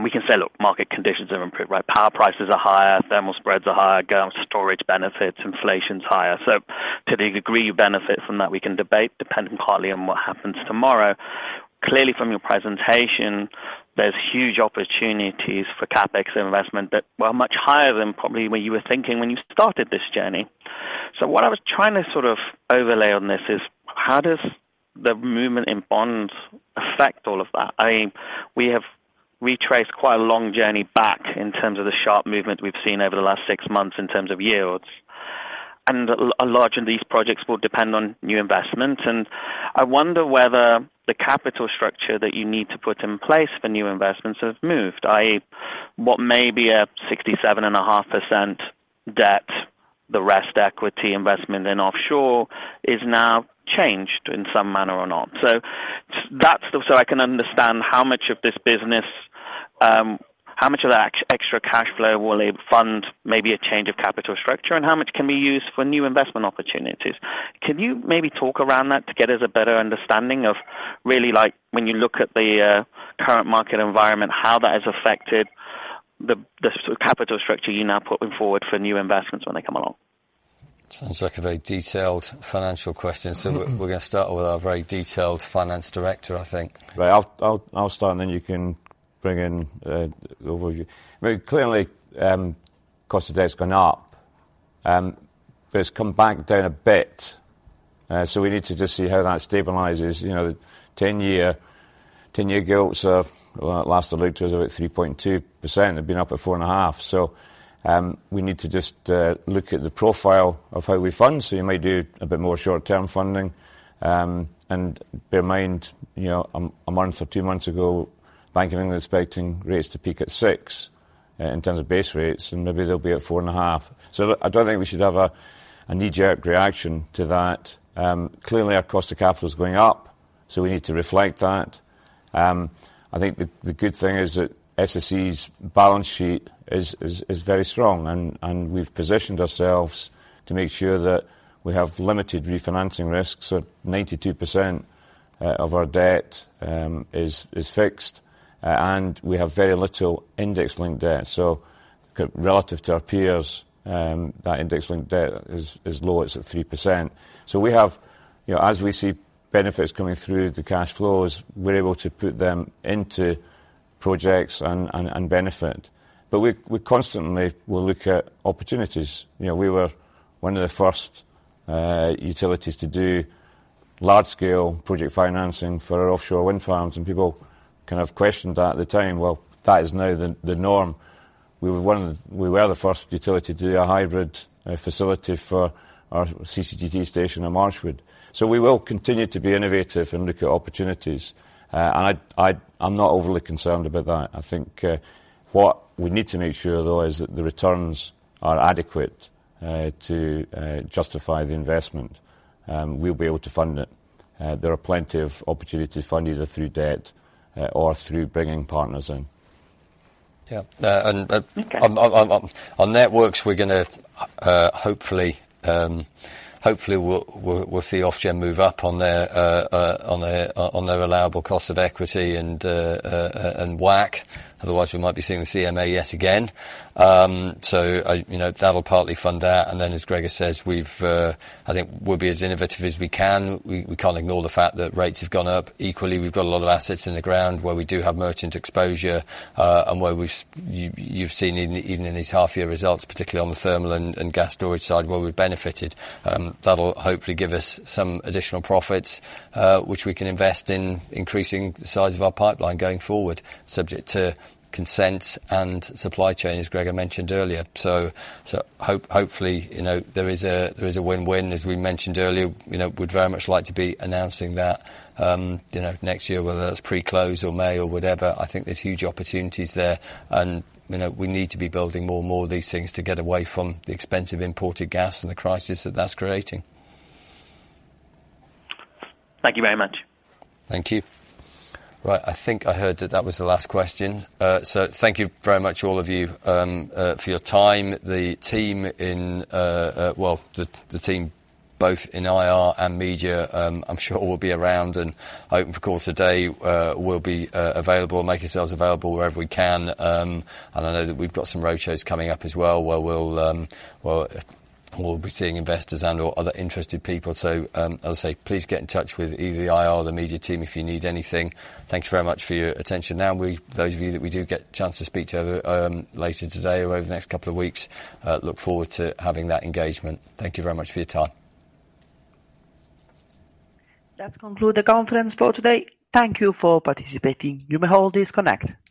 we can say, look, market conditions have improved, right? Power prices are higher, thermal spreads are higher, gas storage benefits, inflation's higher. To the degree you benefit from that, we can debate depending partly on what happens tomorrow. Clearly, from your presentation, there's huge opportunities for CapEx investment that were much higher than probably what you were thinking when you started this journey. What I was trying to sort of overlay on this is, how does the movement in bonds affect all of that? I mean, we have retraced quite a long journey back in terms of the sharp movement we've seen over the last six months in terms of yields. Large in these projects will depend on new investments. I wonder whether the capital structure that you need to put in place for new investments have moved. i.e. what may be a 67.5% debt, the rest equity investment for offshore is now changed in some manner or not. That's so I can understand how much of this business, how much of that extra cash flow will it fund, maybe a change of capital structure, and how much can be used for new investment opportunities. Can you maybe talk around that to get us a better understanding of really like when you look at the current market environment, how that has affected the capital structure you're now putting forward for new investments when they come along? Sounds like a very detailed financial question. We're gonna start with our very detailed Finance Director, I think. Right. I'll start, and then you can bring in the overview. I mean, clearly, cost of debt has gone up. It's come back down a bit. We need to just see how that stabilizes. You know, 10-year gilts are, well, last I looked was about 3.2%. They've been up at 4.5%. We need to just look at the profile of how we fund. You may do a bit more short-term funding. Bear in mind, you know, a month or two months ago, Bank of England expecting rates to peak at 6 in terms of base rates, and maybe they'll be at 4.5%. Look, I don't think we should have a knee-jerk reaction to that. Clearly, our cost of capital is going up, so we need to reflect that. I think the good thing is that SSE's balance sheet is very strong. We've positioned ourselves to make sure that we have limited refinancing risks. 92% of our debt is fixed, and we have very little index-linked debt. Relative to our peers, that index-linked debt is low. It's at 3%. We have, you know, as we see benefits coming through the cash flows, we're able to put them into projects and benefit. We constantly will look at opportunities. You know, we were one of the first utilities to do Large-scale project financing for our offshore wind farms, and people kind of questioned that at the time. Well, that is now the norm. We were the first utility to do a hybrid facility for our CCGT station in Marchwood. We will continue to be innovative and look at opportunities. I'm not overly concerned about that. I think what we need to make sure, though, is that the returns are adequate to justify the investment. We'll be able to fund it. There are plenty of opportunities to fund either through debt or through bringing partners in. On networks we're gonna hopefully we'll see Ofgem move up on their allowable cost of equity and WACC, otherwise we might be seeing the CMA yet again. So, you know, that'll partly fund that. Then as Gregor says, I think we'll be as innovative as we can. We can't ignore the fact that rates have gone up. Equally, we've got a lot of assets in the ground where we do have merchant exposure, and where you've seen even in these half-year results, particularly on the thermal and gas storage side where we've benefited. That'll hopefully give us some additional profits, which we can invest in increasing the size of our pipeline going forward, subject to consents and supply chain, as Gregor mentioned earlier. Hopefully, you know, there is a win-win, as we mentioned earlier. You know, we'd very much like to be announcing that, next year, whether that's pre-close or May or whatever. I think there's huge opportunities there. You know, we need to be building more and more of these things to get away from the expensive imported gas and the crisis that that's creating. Thank you very much. Thank you. Right. I think I heard that was the last question. Thank you very much all of you for your time. The team both in IR and media, I'm sure all will be around, and hope of course today, we'll be available and make yourselves available wherever we can. I know that we've got some road shows coming up as well, where we'll be seeing investors and/or other interested people. I'll say please get in touch with either the IR or the media team if you need anything. Thank you very much for your attention. Those of you that we do get chance to speak to over later today or over the next couple of weeks look forward to having that engagement. Thank you very much for your time. That concludes the conference for today. Thank you for participating. You may all disconnect.